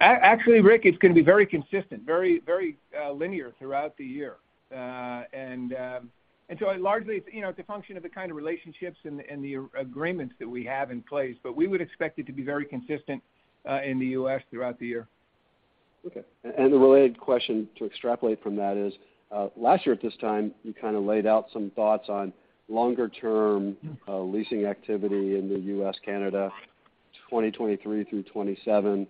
Actually, Ric, it's gonna be very consistent, very linear throughout the year. Largely, you know, it's a function of the kind of relationships and the agreements that we have in place, we would expect it to be very consistent in the U.S. throughout the year. Okay. The related question to extrapolate from that is, last year at this time, you kind of laid out some thoughts on longer-term leasing activity in the U.S., Canada, 2023 through 2027,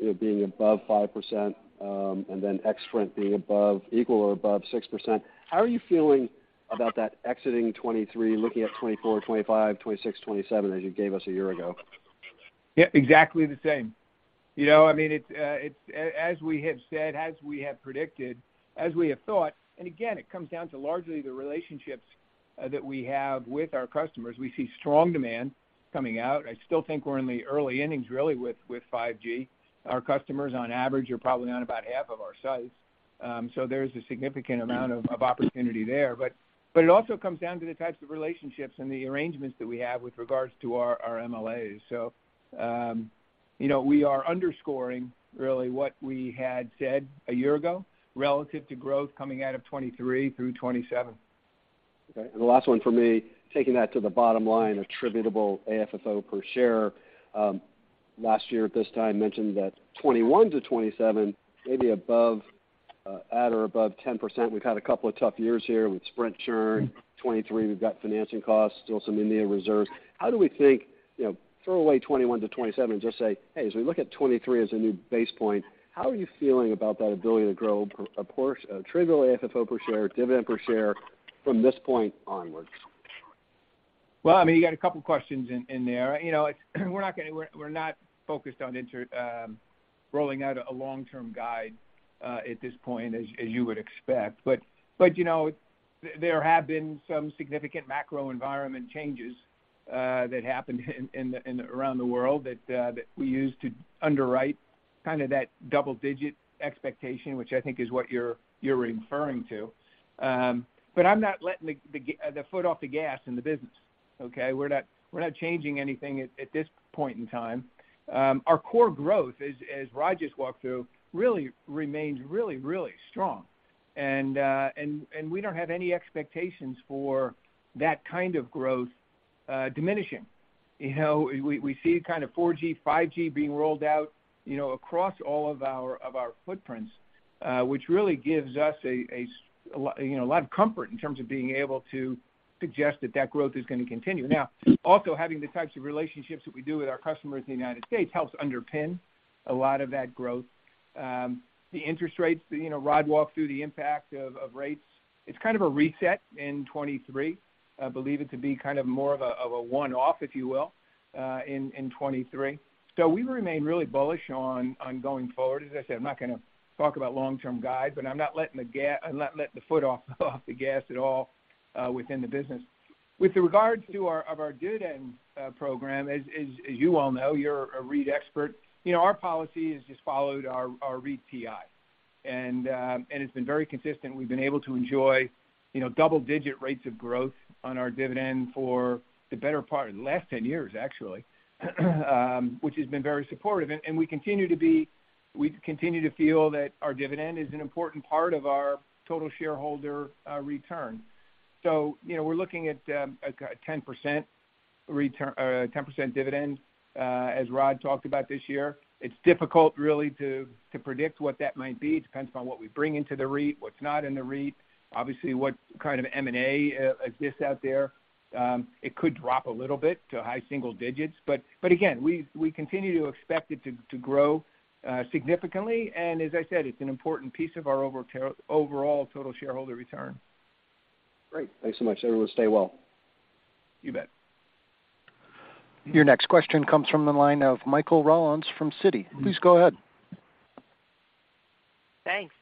it being above 5%, and then X front being equal or above 6%. How are you feeling about that exiting 2023, looking at 2024, 2025, 2026, 2027 as you gave us a year ago? Yeah, exactly the same. You know, I mean, it's as we have said, as we have predicted, as we have thought. Again, it comes down to largely the relationships that we have with our customers. We see strong demand coming out. I still think we're in the early innings really with 5G. Our customers on average are probably on about half of our sites. There's a significant amount of opportunity there. It also comes down to the types of relationships and the arrangements that we have with regards to our MLAs. You know, we are underscoring really what we had said a year ago relative to growth coming out of 2023 through 2027. Okay. The last one for me, taking that to the bottom line, attributable AFFO per share. Last year at this time mentioned that 2021-2027, maybe above, at or above 10%. We've had a couple of tough years here with Sprint churn. 2023, we've got financing costs, still some India reserves. How do we think, you know, throw away 2021-2027 and just say, "Hey, as we look at 2023 as a new base point, how are you feeling about that ability to grow attributable AFFO per share, dividend per share from this point onwards? Well, I mean, you got a couple questions in there. You know, we're not focused on rolling out a long-term guide at this point as you would expect. You know, there have been some significant macro environment changes that happened around the world that we use to underwrite kind of that double digit expectation, which I think is what you're referring to. I'm not letting the foot off the gas in the business, okay? We're not changing anything at this point in time. Our core growth as Rod just walked through, really remains really, really strong. We don't have any expectations for that kind of growth diminishing. You know, we see kind of 4G, 5G being rolled out, you know, across all of our footprints, which really gives us a lot of comfort in terms of being able to suggest that that growth is gonna continue. Also having the types of relationships that we do with our customers in the United States helps underpin a lot of that growth. The interest rates, you know, Rod walked through the impact of rates. It's kind of a reset in 2023. I believe it to be kind of more of a one-off, if you will, in 2023. We remain really bullish on going forward. As I said, I'm not gonna talk about long-term guide, but I'm not letting the foot off the gas at all within the business. With regards to our dividend program, as you all know, you're a REIT expert, you know, our policy has just followed our REIT TI. It's been very consistent. We've been able to enjoy, you know, double-digit rates of growth on our dividend for the better part of the last 10 years, actually, which has been very supportive. We continue to feel that our dividend is an important part of our total shareholder return. We're looking at a 10% dividend as Rod talked about this year. It's difficult really to predict what that might be. It depends upon what we bring into the REIT, what's not in the REIT, obviously, what kind of M&A exists out there. It could drop a little bit to high single digits, but again, we continue to expect it to grow significantly. As I said, it's an important piece of our overall total shareholder return. Great. Thanks so much. Everyone stay well. You bet. Your next question comes from the line of Michael Rollins from Citi. Please go ahead. Thanks,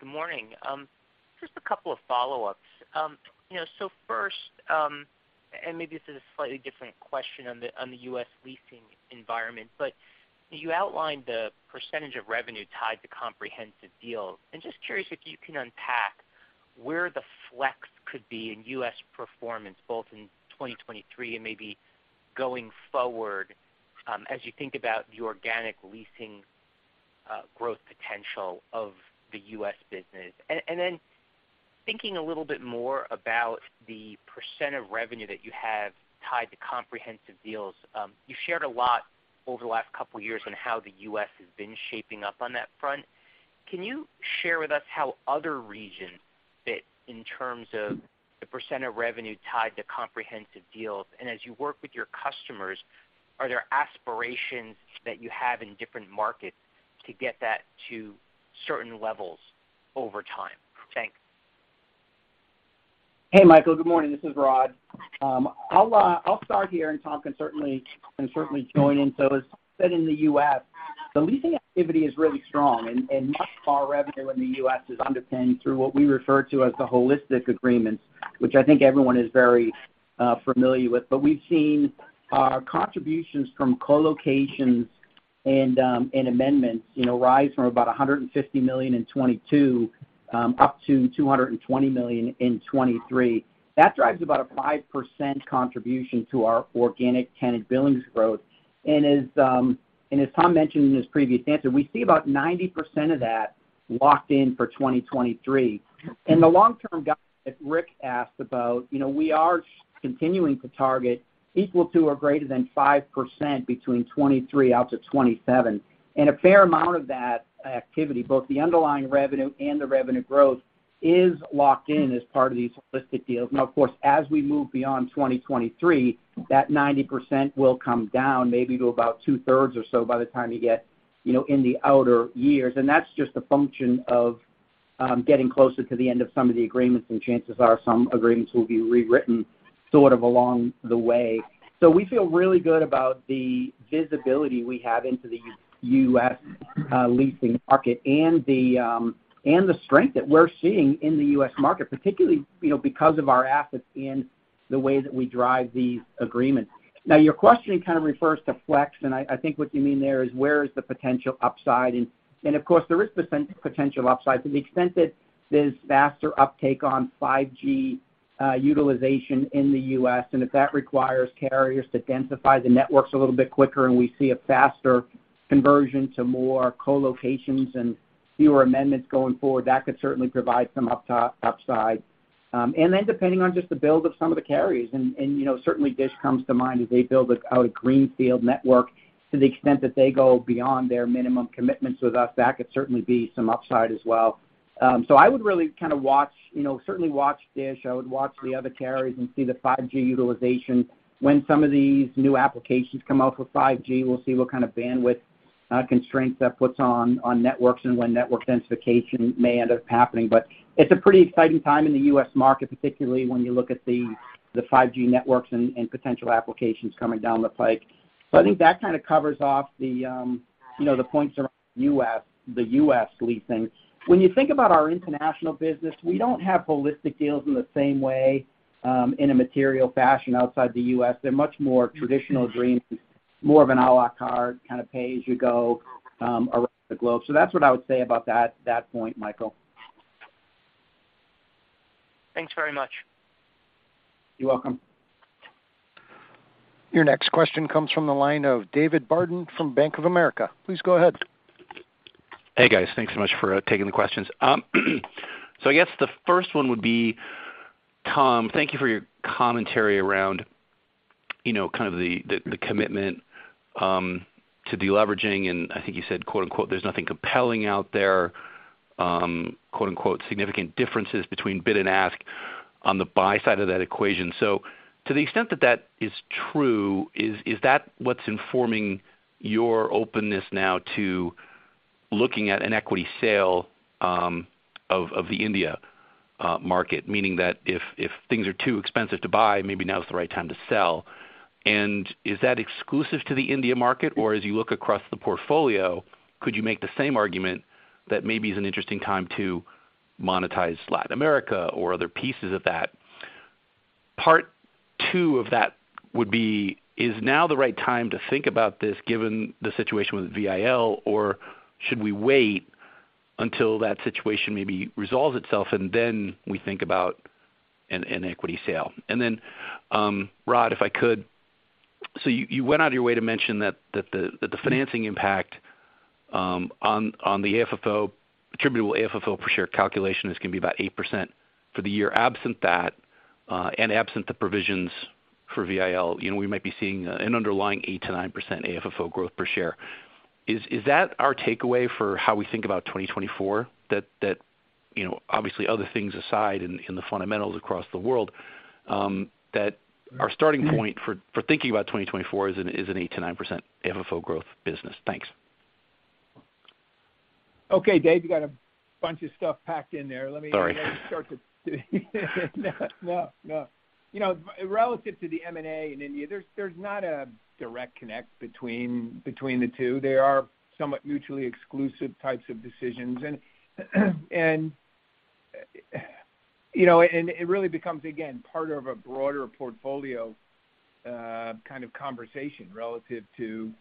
good morning. Just a couple of follow-ups. You know, first, maybe this is a slightly different question on the U.S. leasing environment, but you outlined the percentage of revenue tied to comprehensive deals. I'm just curious if you can unpack where the flex could be in U.S. performance, both in 2023 and maybe going forward, as you think about the organic leasing growth potential of the U.S. business. Thinking a little bit more about the percent of revenue that you have tied to comprehensive deals, you've shared a lot over the last couple years on how the U.S. has been shaping up on that front. Can you share with us how other regions fit in terms of the percent of revenue tied to comprehensive deals? As you work with your customers, are there aspirations that you have in different markets to get that to certain levels over time? Thanks. Hey, Michael. Good morning. This is Rod. I'll start here, and Tom can certainly join in. As said in the U.S., the leasing activity is really strong and much of our revenue in the U.S. is underpinned through what we refer to as the holistic agreements, which I think everyone is very familiar with. We've seen our contributions from co-locations. Amendments, you know, rise from about $150 million in 2022, up to $220 million in 2023. That drives about a 5% contribution to our organic tenant billings growth. As Tom mentioned in his previous answer, we see about 90% of that locked in for 2023. The long-term that Ric asked about, you know, we are continuing to target equal to or greater than 5% between 2023 out to 2027. A fair amount of that activity, both the underlying revenue and the revenue growth, is locked in as part of these holistic deals. Of course, as we move beyond 2023, that 90% will come down maybe to about two-thirds or so by the time you get, you know, in the outer years. That's just a function of getting closer to the end of some of the agreements, and chances are some agreements will be rewritten sort of along the way. We feel really good about the visibility we have into the U.S. leasing market and the strength that we're seeing in the U.S. market, particularly, you know, because of our assets and the way that we drive these agreements. Now, your question kind of refers to flex, and I think what you mean there is where is the potential upside and of course there is potential upside to the extent that there's faster uptake on 5G utilization in the U.S., and if that requires carriers to densify the networks a little bit quicker, and we see a faster conversion to more co-locations and fewer amendments going forward, that could certainly provide some upside. Depending on just the build of some of the carriers, and, you know, certainly Dish comes to mind as they build out a greenfield network to the extent that they go beyond their minimum commitments with us, that could certainly be some upside as well. I would really kind of watch, you know, certainly watch Dish. I would watch the other carriers and see the 5G utilization. When some of these new applications come out for 5G, we'll see what kind of bandwidth constraints that puts on networks and when network densification may end up happening. It's a pretty exciting time in the U.S. market, particularly when you look at the 5G networks and potential applications coming down the pike. I think that kind of covers off the, you know, the points around the U.S. leasing. When you think about our international business, we don't have holistic deals in the same way in a material fashion outside the U.S. They're much more traditional agreements, more of an a la carte kind of pay-as-you-go, around the globe. That's what I would say about that point, Michael. Thanks very much. You're welcome. Your next question comes from the line of David Barden from Bank of America. Please go ahead. Hey, guys. Thanks so much for taking the questions. I guess the first one would be, Tom, thank you for your commentary around, you know, kind of the, the commitment to deleveraging, and I think you said, quote-unquote, "There's nothing compelling out there," quote-unquote, "significant differences between bid and ask on the buy side of that equation." To the extent that that is true, is that what's informing your openness now to looking at an equity sale of the India market? Meaning that if things are too expensive to buy, maybe now is the right time to sell. Is that exclusive to the India market, or as you look across the portfolio, could you make the same argument that maybe it's an interesting time to monetize Latin America or other pieces of that? Part two of that would be, is now the right time to think about this given the situation with VIL? Should we wait until that situation maybe resolves itself, and then we think about an equity sale? Rod, if I could, you went out of your way to mention that the financing impact on the AFFO, attributable AFFO per share calculation is gonna be about 8% for the year. Absent that, and absent the provisions for VIL, you know, we might be seeing an underlying 8%-9% AFFO growth per share. Is that our takeaway for how we think about 2024? That, you know, obviously other things aside in the fundamentals across the world, that our starting point for thinking about 2024 is an 8%-9% AFFO growth business. Thanks. Okay, Dave, you got a bunch of stuff packed in there. Sorry. No. You know, relative to the M&A in India, there's not a direct connect between the two. They are somewhat mutually exclusive types of decisions. You know, it really becomes, again, part of a broader portfolio, kind of conversation relative to,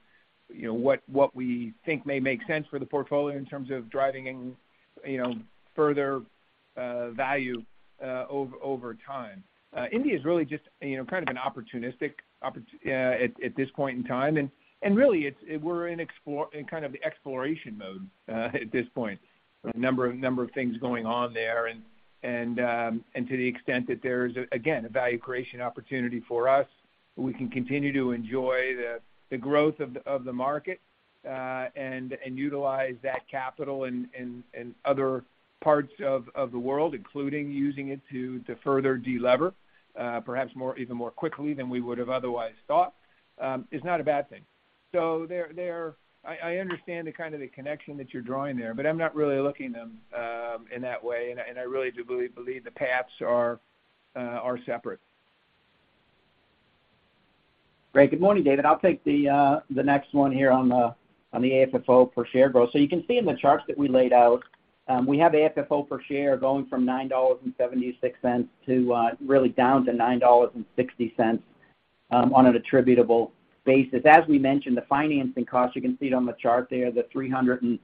you know, what we think may make sense for the portfolio in terms of driving, you know, further value over time. India is really just, you know, kind of an opportunistic at this point in time. Really, we're in kind of the exploration mode at this point. A number of things going on there. To the extent that there is, again, a value creation opportunity for us, we can continue to enjoy the growth of the market, and utilize that capital in other parts of the world, including using it to further delever, perhaps more, even more quickly than we would have otherwise thought, is not a bad thing. They're I understand the kind of the connection that you're drawing there, but I'm not really looking in that way. I, and I really do believe the paths are separate. Great. Good morning, David. I'll take the next one here on the AFFO for share growth. You can see in the charts that we laid out, we have AFFO per share going from $9.76 to really down to $9.60 on an attributable basis. As we mentioned, the financing costs, you can see it on the chart there, the $350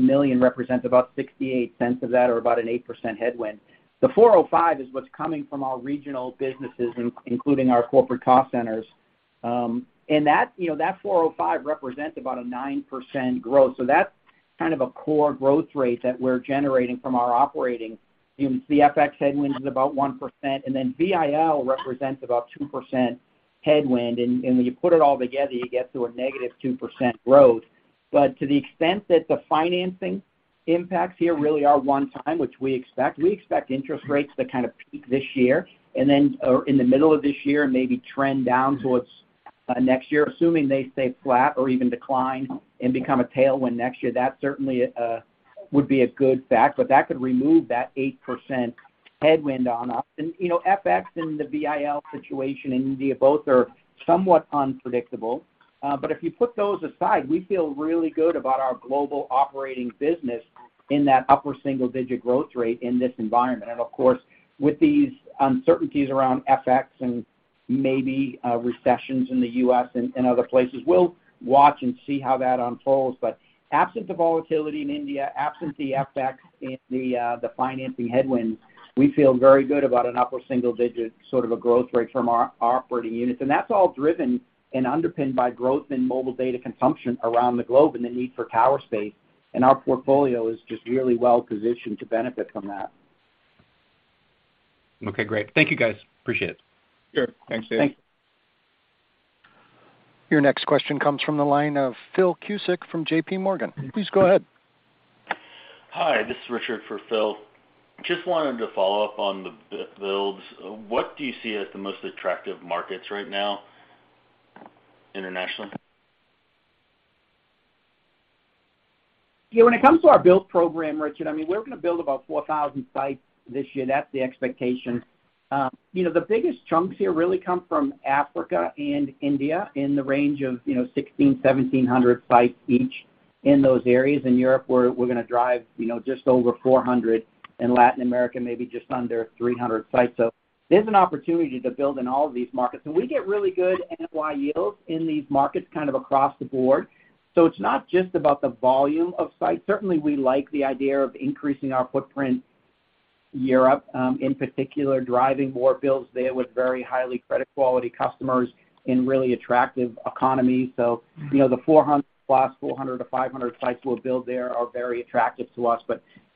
million represents about $0.68 of that or about an 8% headwind. The 405 is what's coming from our regional businesses, including our corporate cost centers. That, you know, that 405 represents about a 9% growth. That's kind of a core growth rate that we're generating from our operating units. The FX headwind is about 1%, and then BRL represents about 2% headwind. When you put it all together, you get to a negative 2% growth. To the extent that the financing impacts here really are one time, which we expect, we expect interest rates to kind of peak this year and then, or in the middle of this year, and maybe trend down towards next year. Assuming they stay flat or even decline and become a tailwind next year, that certainly would be a good fact. That could remove that 8% headwind on us. You know, FX and the BRL situation in India both are somewhat unpredictable. If you put those aside, we feel really good about our global operating business in that upper single digit growth rate in this environment. Of course, with these uncertainties around FX and maybe recessions in the U.S. and other places, we'll watch and see how that unfolds. Absent the volatility in India, absent the FX and the financing headwinds, we feel very good about an upper single digit sort of a growth rate from our operating units. That's all driven and underpinned by growth in mobile data consumption around the globe and the need for tower space. Our portfolio is just really well positioned to benefit from that. Okay, great. Thank you, guys. Appreciate it. Sure. Thanks, Dave. Thanks. Your next question comes from the line of Phil Cusick from JPMorgan. Please go ahead. Hi, this is Richard for Phil. Just wanted to follow up on the builds. What do you see as the most attractive markets right now internationally? When it comes to our build program, Richard, we're gonna build about 4,000 sites this year. That's the expectation. The biggest chunks here really come from Africa and India in the range of 1,600-1,700 sites each in those areas. In Europe, we're gonna drive just over 400. In Latin America, maybe just under 300 sites. There's an opportunity to build in all of these markets. We get really good NOI yields in these markets kind of across the board. It's not just about the volume of sites. Certainly, we like the idea of increasing our footprint, Europe, in particular, driving more builds there with very highly credit quality customers in really attractive economies. You know, the 400+, 400-500 sites we'll build there are very attractive to us.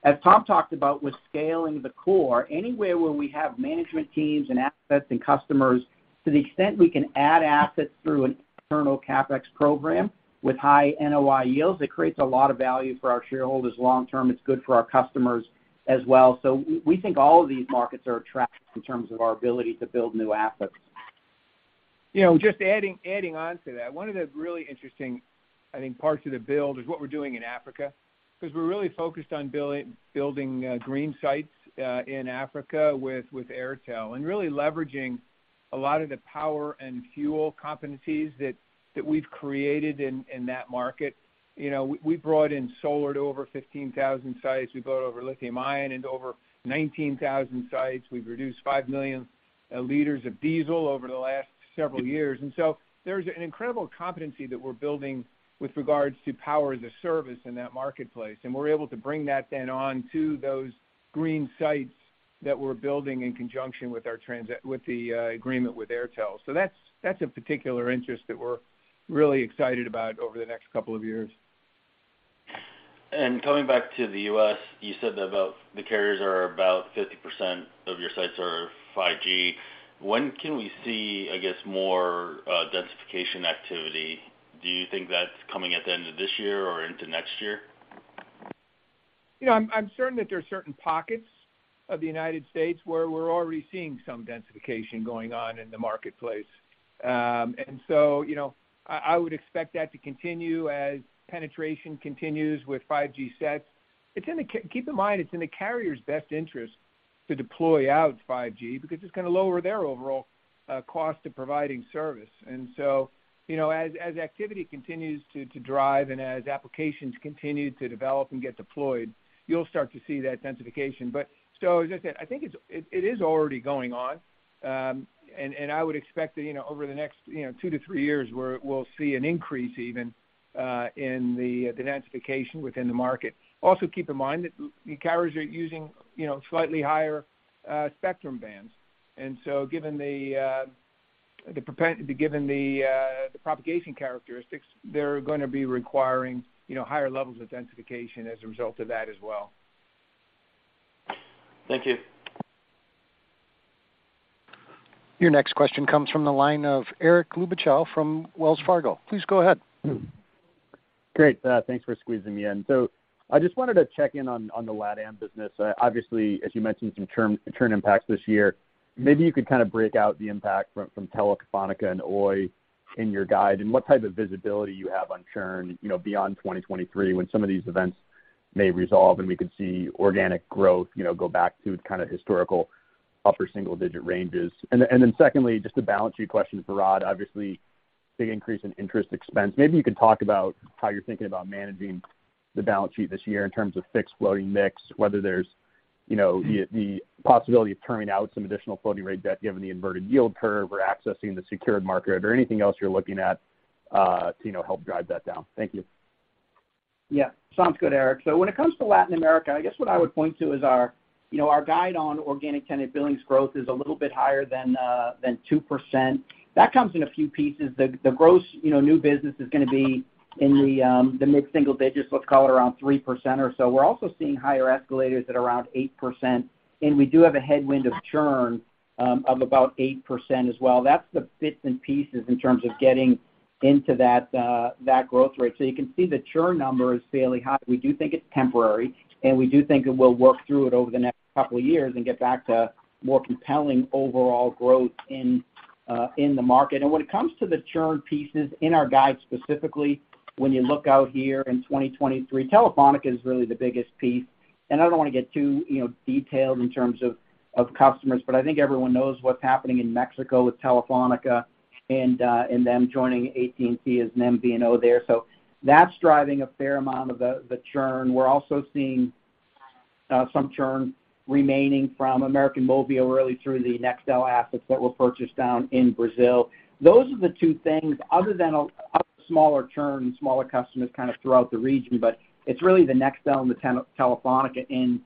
As Tom talked about with Scale the Core, anywhere where we have management teams and assets and customers, to the extent we can add assets through an internal CapEx program with high NOI yields, it creates a lot of value for our shareholders long term. It's good for our customers as well. We think all of these markets are attractive in terms of our ability to build new assets. You know, just adding on to that, one of the really interesting, I think, parts of the build is what we're doing in Africa, 'cause we're really focused on building Green Sites in Africa with Airtel and really leveraging a lot of the power and fuel competencies that we've created in that market. You know, we brought in solar to over 15,000 sites. We brought over lithium ion into over 19,000 sites. We've reduced 5 million liters of diesel over the last several years. There's an incredible competency that we're building with regards to Power-as-a-Service in that marketplace, and we're able to bring that then on to those Green Sites that we're building in conjunction with our agreement with Airtel. That's a particular interest that we're really excited about over the next couple of years. Coming back to the U.S., you said that about the carriers are about 50% of your sites are 5G. When can we see, I guess, more densification activity? Do you think that's coming at the end of this year or into next year? You know, I'm certain that there are certain pockets of the United States where we're already seeing some densification going on in the marketplace. You know, I would expect that to continue as penetration continues with 5G sets. Keep in mind, it's in the carrier's best interest to deploy out 5G because it's gonna lower their overall cost of providing service. You know, as activity continues to drive and as applications continue to develop and get deployed, you'll start to see that densification. As I said, I think it's already going on. And I would expect that, you know, over the next, you know, two to three years, we'll see an increase even in the densification within the market. Also, keep in mind that the carriers are using, you know, slightly higher spectrum bands. Given the propagation characteristics, they're gonna be requiring, you know, higher levels of densification as a result of that as well. Thank you. Your next question comes from the line of Eric Luebchow from Wells Fargo. Please go ahead. Great. Thanks for squeezing me in. I just wanted to check in on the LATAM business. Obviously, as you mentioned, some churn impacts this year. Maybe you could kind of break out the impact from Telefónica and Oi in your guide, and what type of visibility you have on churn, you know, beyond 2023, when some of these events may resolve and we could see organic growth, you know, go back to kind of historical upper single-digit ranges. Then secondly, just a balance sheet question for Rod. Obviously- Big increase in interest expense. Maybe you could talk about how you're thinking about managing the balance sheet this year in terms of fixed floating mix, whether there's, you know, the possibility of terming out some additional floating rate debt given the inverted yield curve or accessing the secured market or anything else you're looking at, to, you know, help drive that down. Thank you. Yeah. Sounds good, Eric. When it comes to Latin America, I guess what I would point to is our, you know, our guide on organic tenant billings growth is a little bit higher than 2%. That comes in a few pieces. The gross, you know, new business is gonna be in the mid-single digits, let's call it around 3% or so. We're also seeing higher escalators at around 8%, and we do have a headwind of churn of about 8% as well. That's the bits and pieces in terms of getting into that growth rate. You can see the churn number is fairly high. We do think it's temporary, and we do think it will work through it over the next couple of years and get back to more compelling overall growth in the market. When it comes to the churn pieces in our guide, specifically, when you look out here in 2023, Telefónica is really the biggest piece. I don't wanna get too, you know, detailed in terms of customers, but I think everyone knows what's happening in Mexico with Telefónica and them joining AT&T as an MVNO there. That's driving a fair amount of the churn. We're also seeing some churn remaining from América Móvil really through the Nextel Brazil assets that were purchased down in Brazil. Those are the two things other than smaller churn, smaller customers kind of throughout the region, but it's really the Nextel and the Telefónica in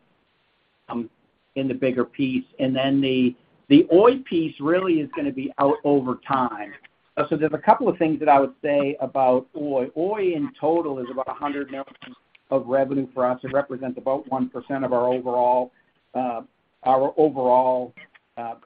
the bigger piece. The Oi piece really is gonna be out over time. There's a couple of things that I would say about Oi. Oi in total is about $100 million of revenue for us. It represents about 1% of our overall, our overall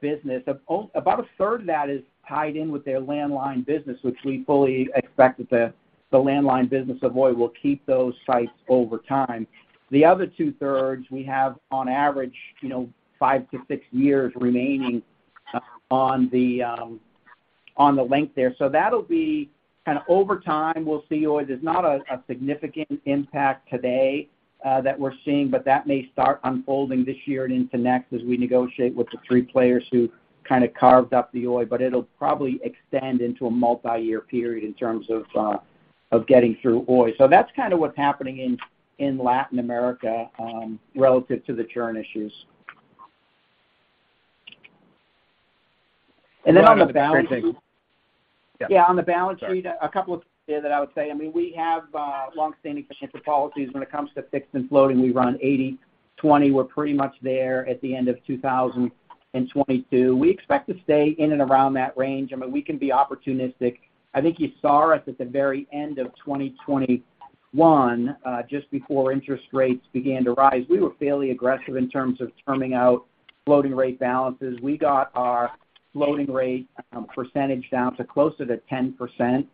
business. About a third of that is tied in with their landline business, which we fully expect that the landline business of Oi will keep those sites over time. The other two-thirds we have on average, you know, five to six years remaining on the length there. That'll be kinda over time, we'll see Oi. There's not a significant impact today, that we're seeing, but that may start unfolding this year and into next as we negotiate with the three players who kinda carved up the Oi. It'll probably extend into a multiyear period in terms of getting through Oi. That's kinda what's happening in Latin America, relative to the churn issues. On the balance sheet. Yeah, on the balance sheet. Sorry. A couple of things that I would say. I mean, we have longstanding financial policies when it comes to fixed and floating. We run 80/20. We're pretty much there at the end of 2022. We expect to stay in and around that range. I mean, we can be opportunistic. I think you saw us at the very end of 2021, just before interest rates began to rise. We were fairly aggressive in terms of terming out floating rate balances. We got our floating rate percentage down to closer to 10%.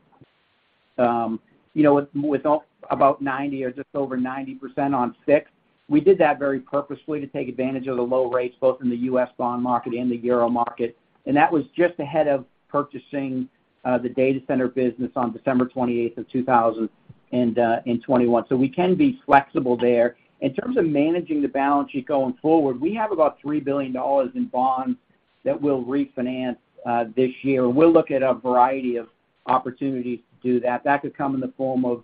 You know, with all about 90 or just over 90% on fixed. We did that very purposefully to take advantage of the low rates, both in the U.S. bond market and the euro market. That was just ahead of purchasing the data center business on December 28, 2021. We can be flexible there. In terms of managing the balance sheet going forward, we have about $3 billion in bonds that we'll refinance this year. We'll look at a variety of opportunities to do that. That could come in the form of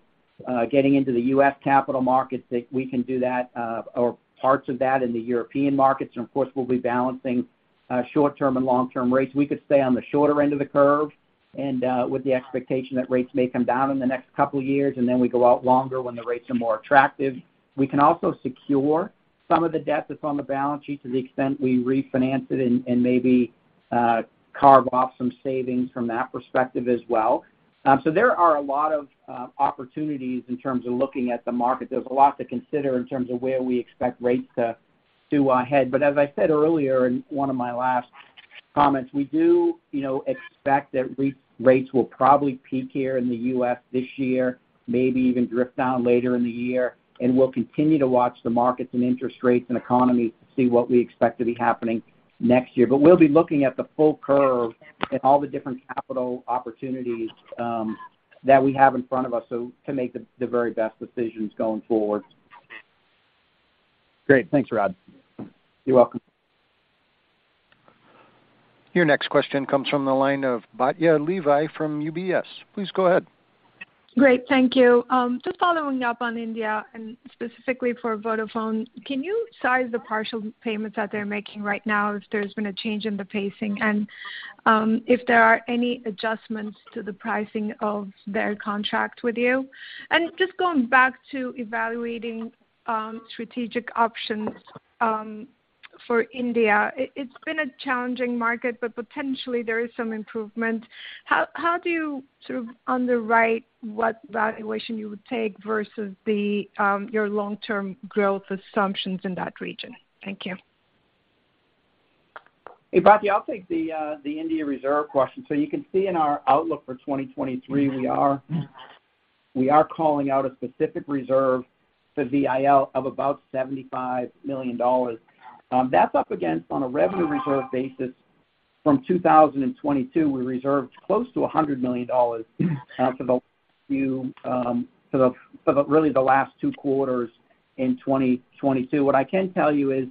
getting into the U.S. capital markets that we can do that or parts of that in the European markets. Of course, we'll be balancing short-term and long-term rates. We could stay on the shorter end of the curve and with the expectation that rates may come down in the next couple of years, and then we go out longer when the rates are more attractive. We can also secure some of the debt that's on the balance sheet to the extent we refinance it and maybe carve off some savings from that perspective as well. There are a lot of opportunities in terms of looking at the market. There's a lot to consider in terms of where we expect rates to head. As I said earlier in one of my last comments, we do, you know, expect that rates will probably peak here in the U.S. this year, maybe even drift down later in the year. We'll continue to watch the markets and interest rates and economy to see what we expect to be happening next year. We'll be looking at the full curve and all the different capital opportunities that we have in front of us, so to make the very best decisions going forward. Great. Thanks, Rod. You're welcome. Your next question comes from the line of Batya Levi from UBS. Please go ahead. Great. Thank you. Just following up on India, and specifically for Vodafone, can you size the partial payments that they're making right now if there's been a change in the pacing, and if there are any adjustments to the pricing of their contract with you? Just going back to evaluating strategic options for India. It's been a challenging market, but potentially there is some improvement. How do you sort of underwrite what valuation you would take versus the your long-term growth assumptions in that region? Thank you. Hey, Batya, I'll take the India reserve question. You can see in our outlook for 2023, we are calling out a specific reserve for VIL of about $75 million. That's up against on a revenue reserve basis from 2022, we reserved close to $100 million for the really the last two quarters in 2022. What I can tell you is.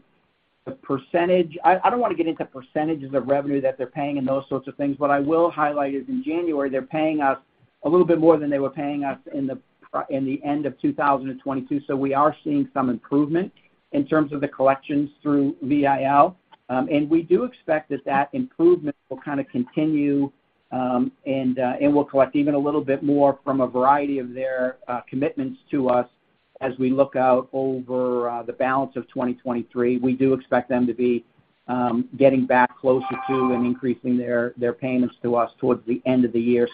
The percentage I don't wanna get into percentages of revenue that they're paying and those sorts of things, but I will highlight is in January, they're paying us a little bit more than they were paying us in the end of 2022. We are seeing some improvement in terms of the collections through VIL. We do expect that that improvement will kind of continue, and we'll collect even a little bit more from a variety of their commitments to us as we look out over the balance of 2023. We do expect them to be getting back closer to and increasing their payments to us towards the end of the year.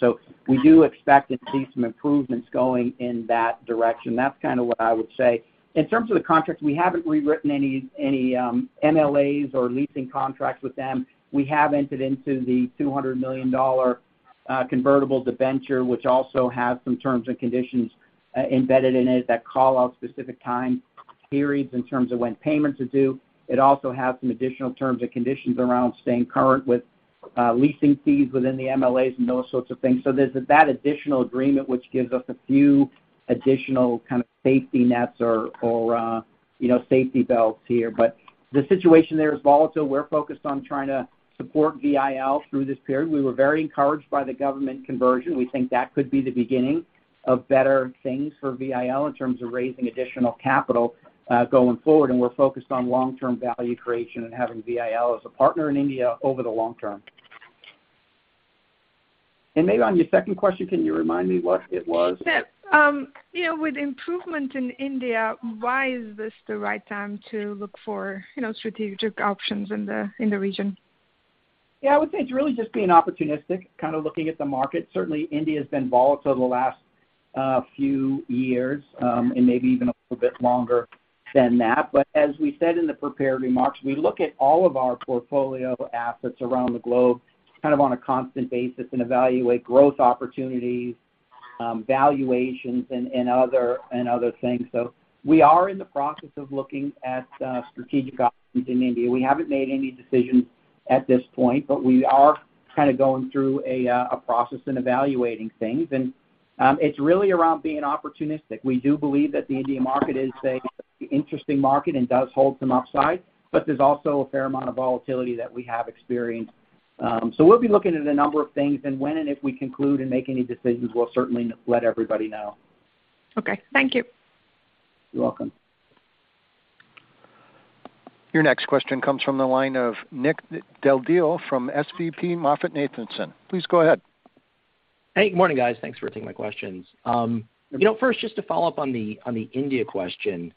We do expect to see some improvements going in that direction. That's kind of what I would say. In terms of the contracts, we haven't rewritten any MLAs or leasing contracts with them. We have entered into the $200 million convertible debenture, which also has some terms and conditions embedded in it that call out specific time periods in terms of when payment's due. It also has some additional terms and conditions around staying current with leasing fees within the MLAs and those sorts of things. There's that additional agreement, which gives us a few additional kind of safety nets or, you know, safety belts here. The situation there is volatile. We're focused on trying to support VIL through this period. We were very encouraged by the government conversion. We think that could be the beginning of better things for VIL in terms of raising additional capital going forward. We're focused on long-term value creation and having VIL as a partner in India over the long term. Maybe on your second question, can you remind me what it was? Sure. you know, with improvement in India, why is this the right time to look for, you know, strategic options in the, in the region? Yeah, I would say it's really just being opportunistic, kind of looking at the market. Certainly, India's been volatile the last few years, and maybe even a little bit longer than that. As we said in the prepared remarks, we look at all of our portfolio assets around the globe kind of on a constant basis and evaluate growth opportunities, valuations and other, and other things. We are in the process of looking at strategic options in India. We haven't made any decisions at this point, but we are kind of going through a process and evaluating things. It's really around being opportunistic. We do believe that the India market is a interesting market and does hold some upside, but there's also a fair amount of volatility that we have experienced. We'll be looking at a number of things, and when and if we conclude and make any decisions, we'll certainly let everybody know. Okay. Thank you. You're welcome. Your next question comes from the line of Nick Del Deo from SVB MoffettNathanson. Please go ahead. Hey. Good morning, guys. Thanks for taking my questions. you know, first, just to follow up on the, on the India question.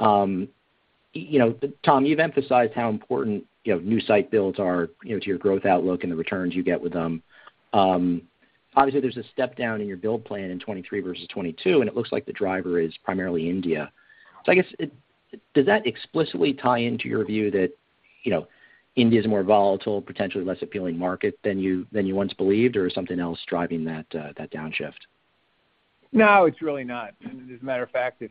you know, Tom, you've emphasized how important, you know, new site builds are, you know, to your growth outlook and the returns you get with them. obviously, there's a step down in your build plan in 2023 versus 2022, and it looks like the driver is primarily India. I guess does that explicitly tie into your view that, you know, India's a more volatile, potentially less appealing market than you, than you once believed, or is something else driving that downshift? No, it's really not. As a matter of fact,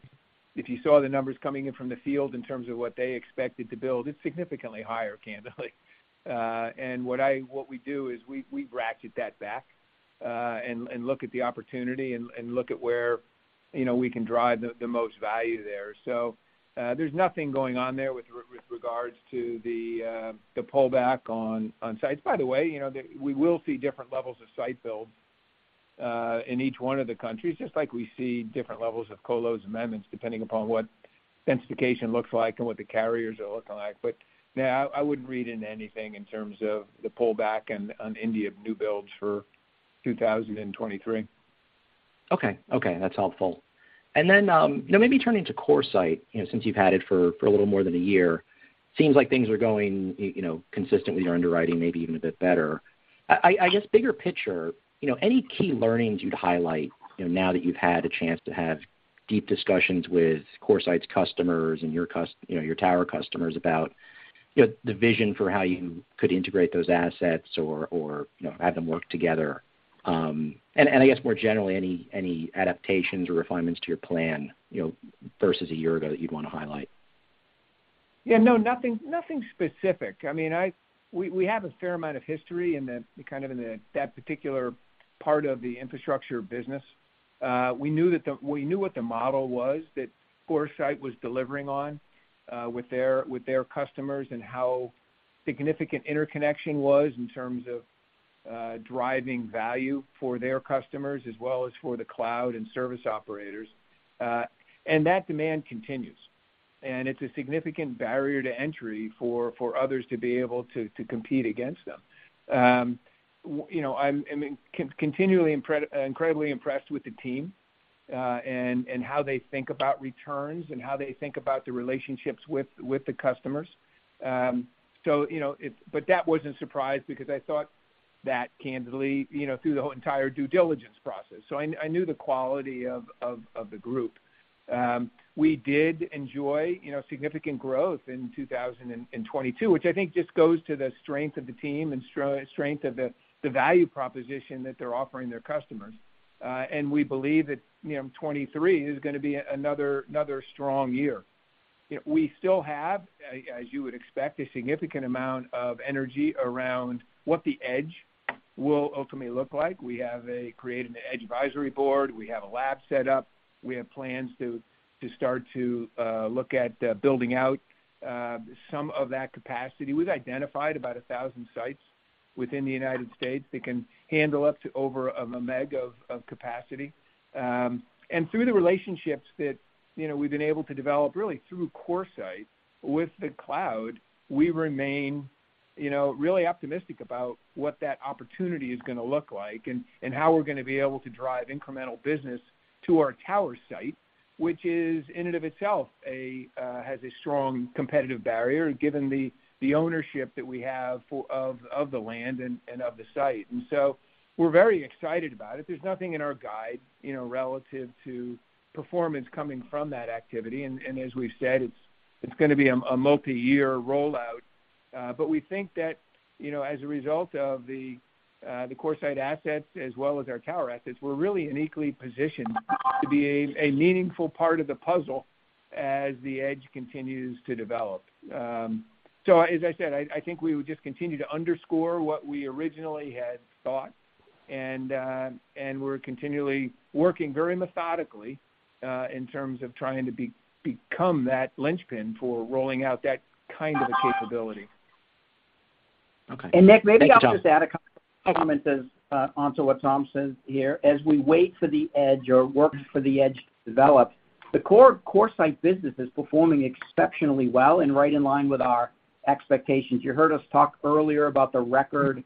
if you saw the numbers coming in from the field in terms of what they expected to build, it's significantly higher, candidly. And what we do is we bracket that back, and look at the opportunity and look at where, you know, we can drive the most value there. There's nothing going on there with regards to the pullback on sites. By the way, you know, we will see different levels of site build in each one of the countries, just like we see different levels of colos and amendments depending upon what densification looks like and what the carriers are looking like. No, I wouldn't read into anything in terms of the pullback in, on India new builds for 2023. Okay. Okay, that's helpful. You know, maybe turning to CoreSite, you know, since you've had it for a little more than a year, seems like things are going, you know, consistent with your underwriting, maybe even a bit better, I guess, bigger picture, you know, any key learnings you'd highlight, you know, now that you've had a chance to have deep discussions with CoreSite's customers and your you know, your tower customers about, you know, the vision for how you could integrate those assets or, you know, have them work together? And I guess more generally, any adaptations or refinements to your plan, you know, versus a year ago that you'd wanna highlight? No, nothing specific. I mean, we have a fair amount of history in that particular part of the infrastructure business. We knew what the model was that CoreSite was delivering on with their customers and how significant interconnection was in terms of driving value for their customers as well as for the cloud and service operators. That demand continues, and it's a significant barrier to entry for others to be able to compete against them. You know, I mean, continually incredibly impressed with the team and how they think about returns and how they think about the relationships with the customers. You know, but that wasn't surprise because I thought that candidly, you know, through the whole entire due diligence process. I knew the quality of the group. We did enjoy, you know, significant growth in 2022, which I think just goes to the strength of the team and strength of the value proposition that they're offering their customers. We believe that, you know, 2023 is gonna be another strong year. We still have, as you would expect, a significant amount of energy around what the edge will ultimately look like. We have created an edge advisory board. We have a lab set up. We have plans to start to look at building out, some of that capacity. We've identified about 1,000 sites within the United States that can handle up to over a meg of capacity. Through the relationships that, you know, we've been able to develop really through CoreSite with the cloud, we remain, you know, really optimistic about what that opportunity is gonna look like and how we're gonna be able to drive incremental business to our tower site, which is in and of itself a has a strong competitive barrier given the ownership that we have of the land and of the site. We're very excited about it. There's nothing in our guide, you know, relative to performance coming from that activity. As we've said, it's gonna be a multi-year rollout. We think that, you know, as a result of the CoreSite assets as well as our tower assets, we're really uniquely positioned to be a meaningful part of the puzzle as the edge continues to develop. As I said, I think we would just continue to underscore what we originally had thought and we're continually working very methodically in terms of trying to become that linchpin for rolling out that kind of a capability. Okay. Nick, maybe I'll just add a couple comments onto what Tom said here. As we wait for the edge or work for the edge to develop, the core CoreSite business is performing exceptionally well and right in line with our expectations. You heard us talk earlier about the record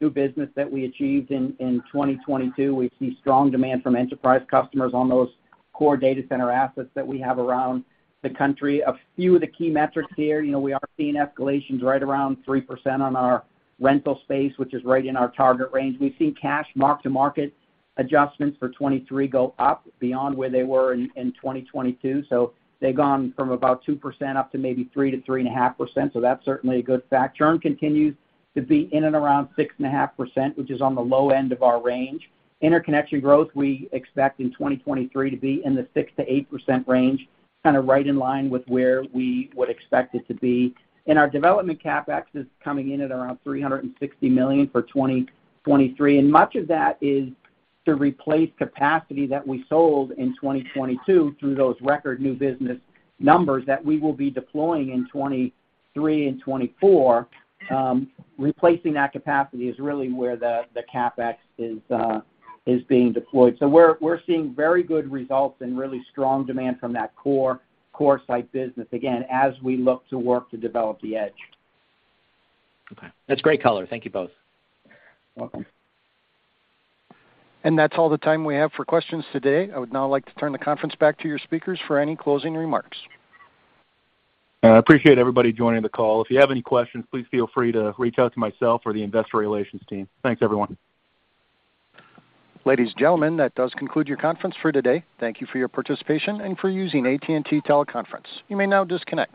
new business that we achieved in 2022. We see strong demand from enterprise customers on those core data center assets that we have around the country. A few of the key metrics here, you know, we are seeing escalations right around 3% on our rental space, which is right in our target range. We've seen cash mark-to-market adjustments for 2023 go up beyond where they were in 2022. They've gone from about 2% up to maybe 3%-3.5%. That's certainly a good fact. Churn continues to be in and around 6.5%, which is on the low end of our range. Interconnection growth we expect in 2023 to be in the 6%-8% range, kind of right in line with where we would expect it to be. Our development CapEx is coming in at around $360 million for 2023, much of that is to replace capacity that we sold in 2022 through those record new business numbers that we will be deploying in 2023 and 2024. Replacing that capacity is really where the CapEx is being deployed. We're seeing very good results and really strong demand from that core CoreSite business, again, as we look to work to develop the edge. Okay. That's great color. Thank you both. Welcome. That's all the time we have for questions today. I would now like to turn the conference back to your speakers for any closing remarks. I appreciate everybody joining the call. If you have any questions, please feel free to reach out to myself or the investor relations team. Thanks, everyone. Ladies and gentlemen, that does conclude your conference for today. Thank you for your participation and for using AT&T Teleconference. You may now disconnect.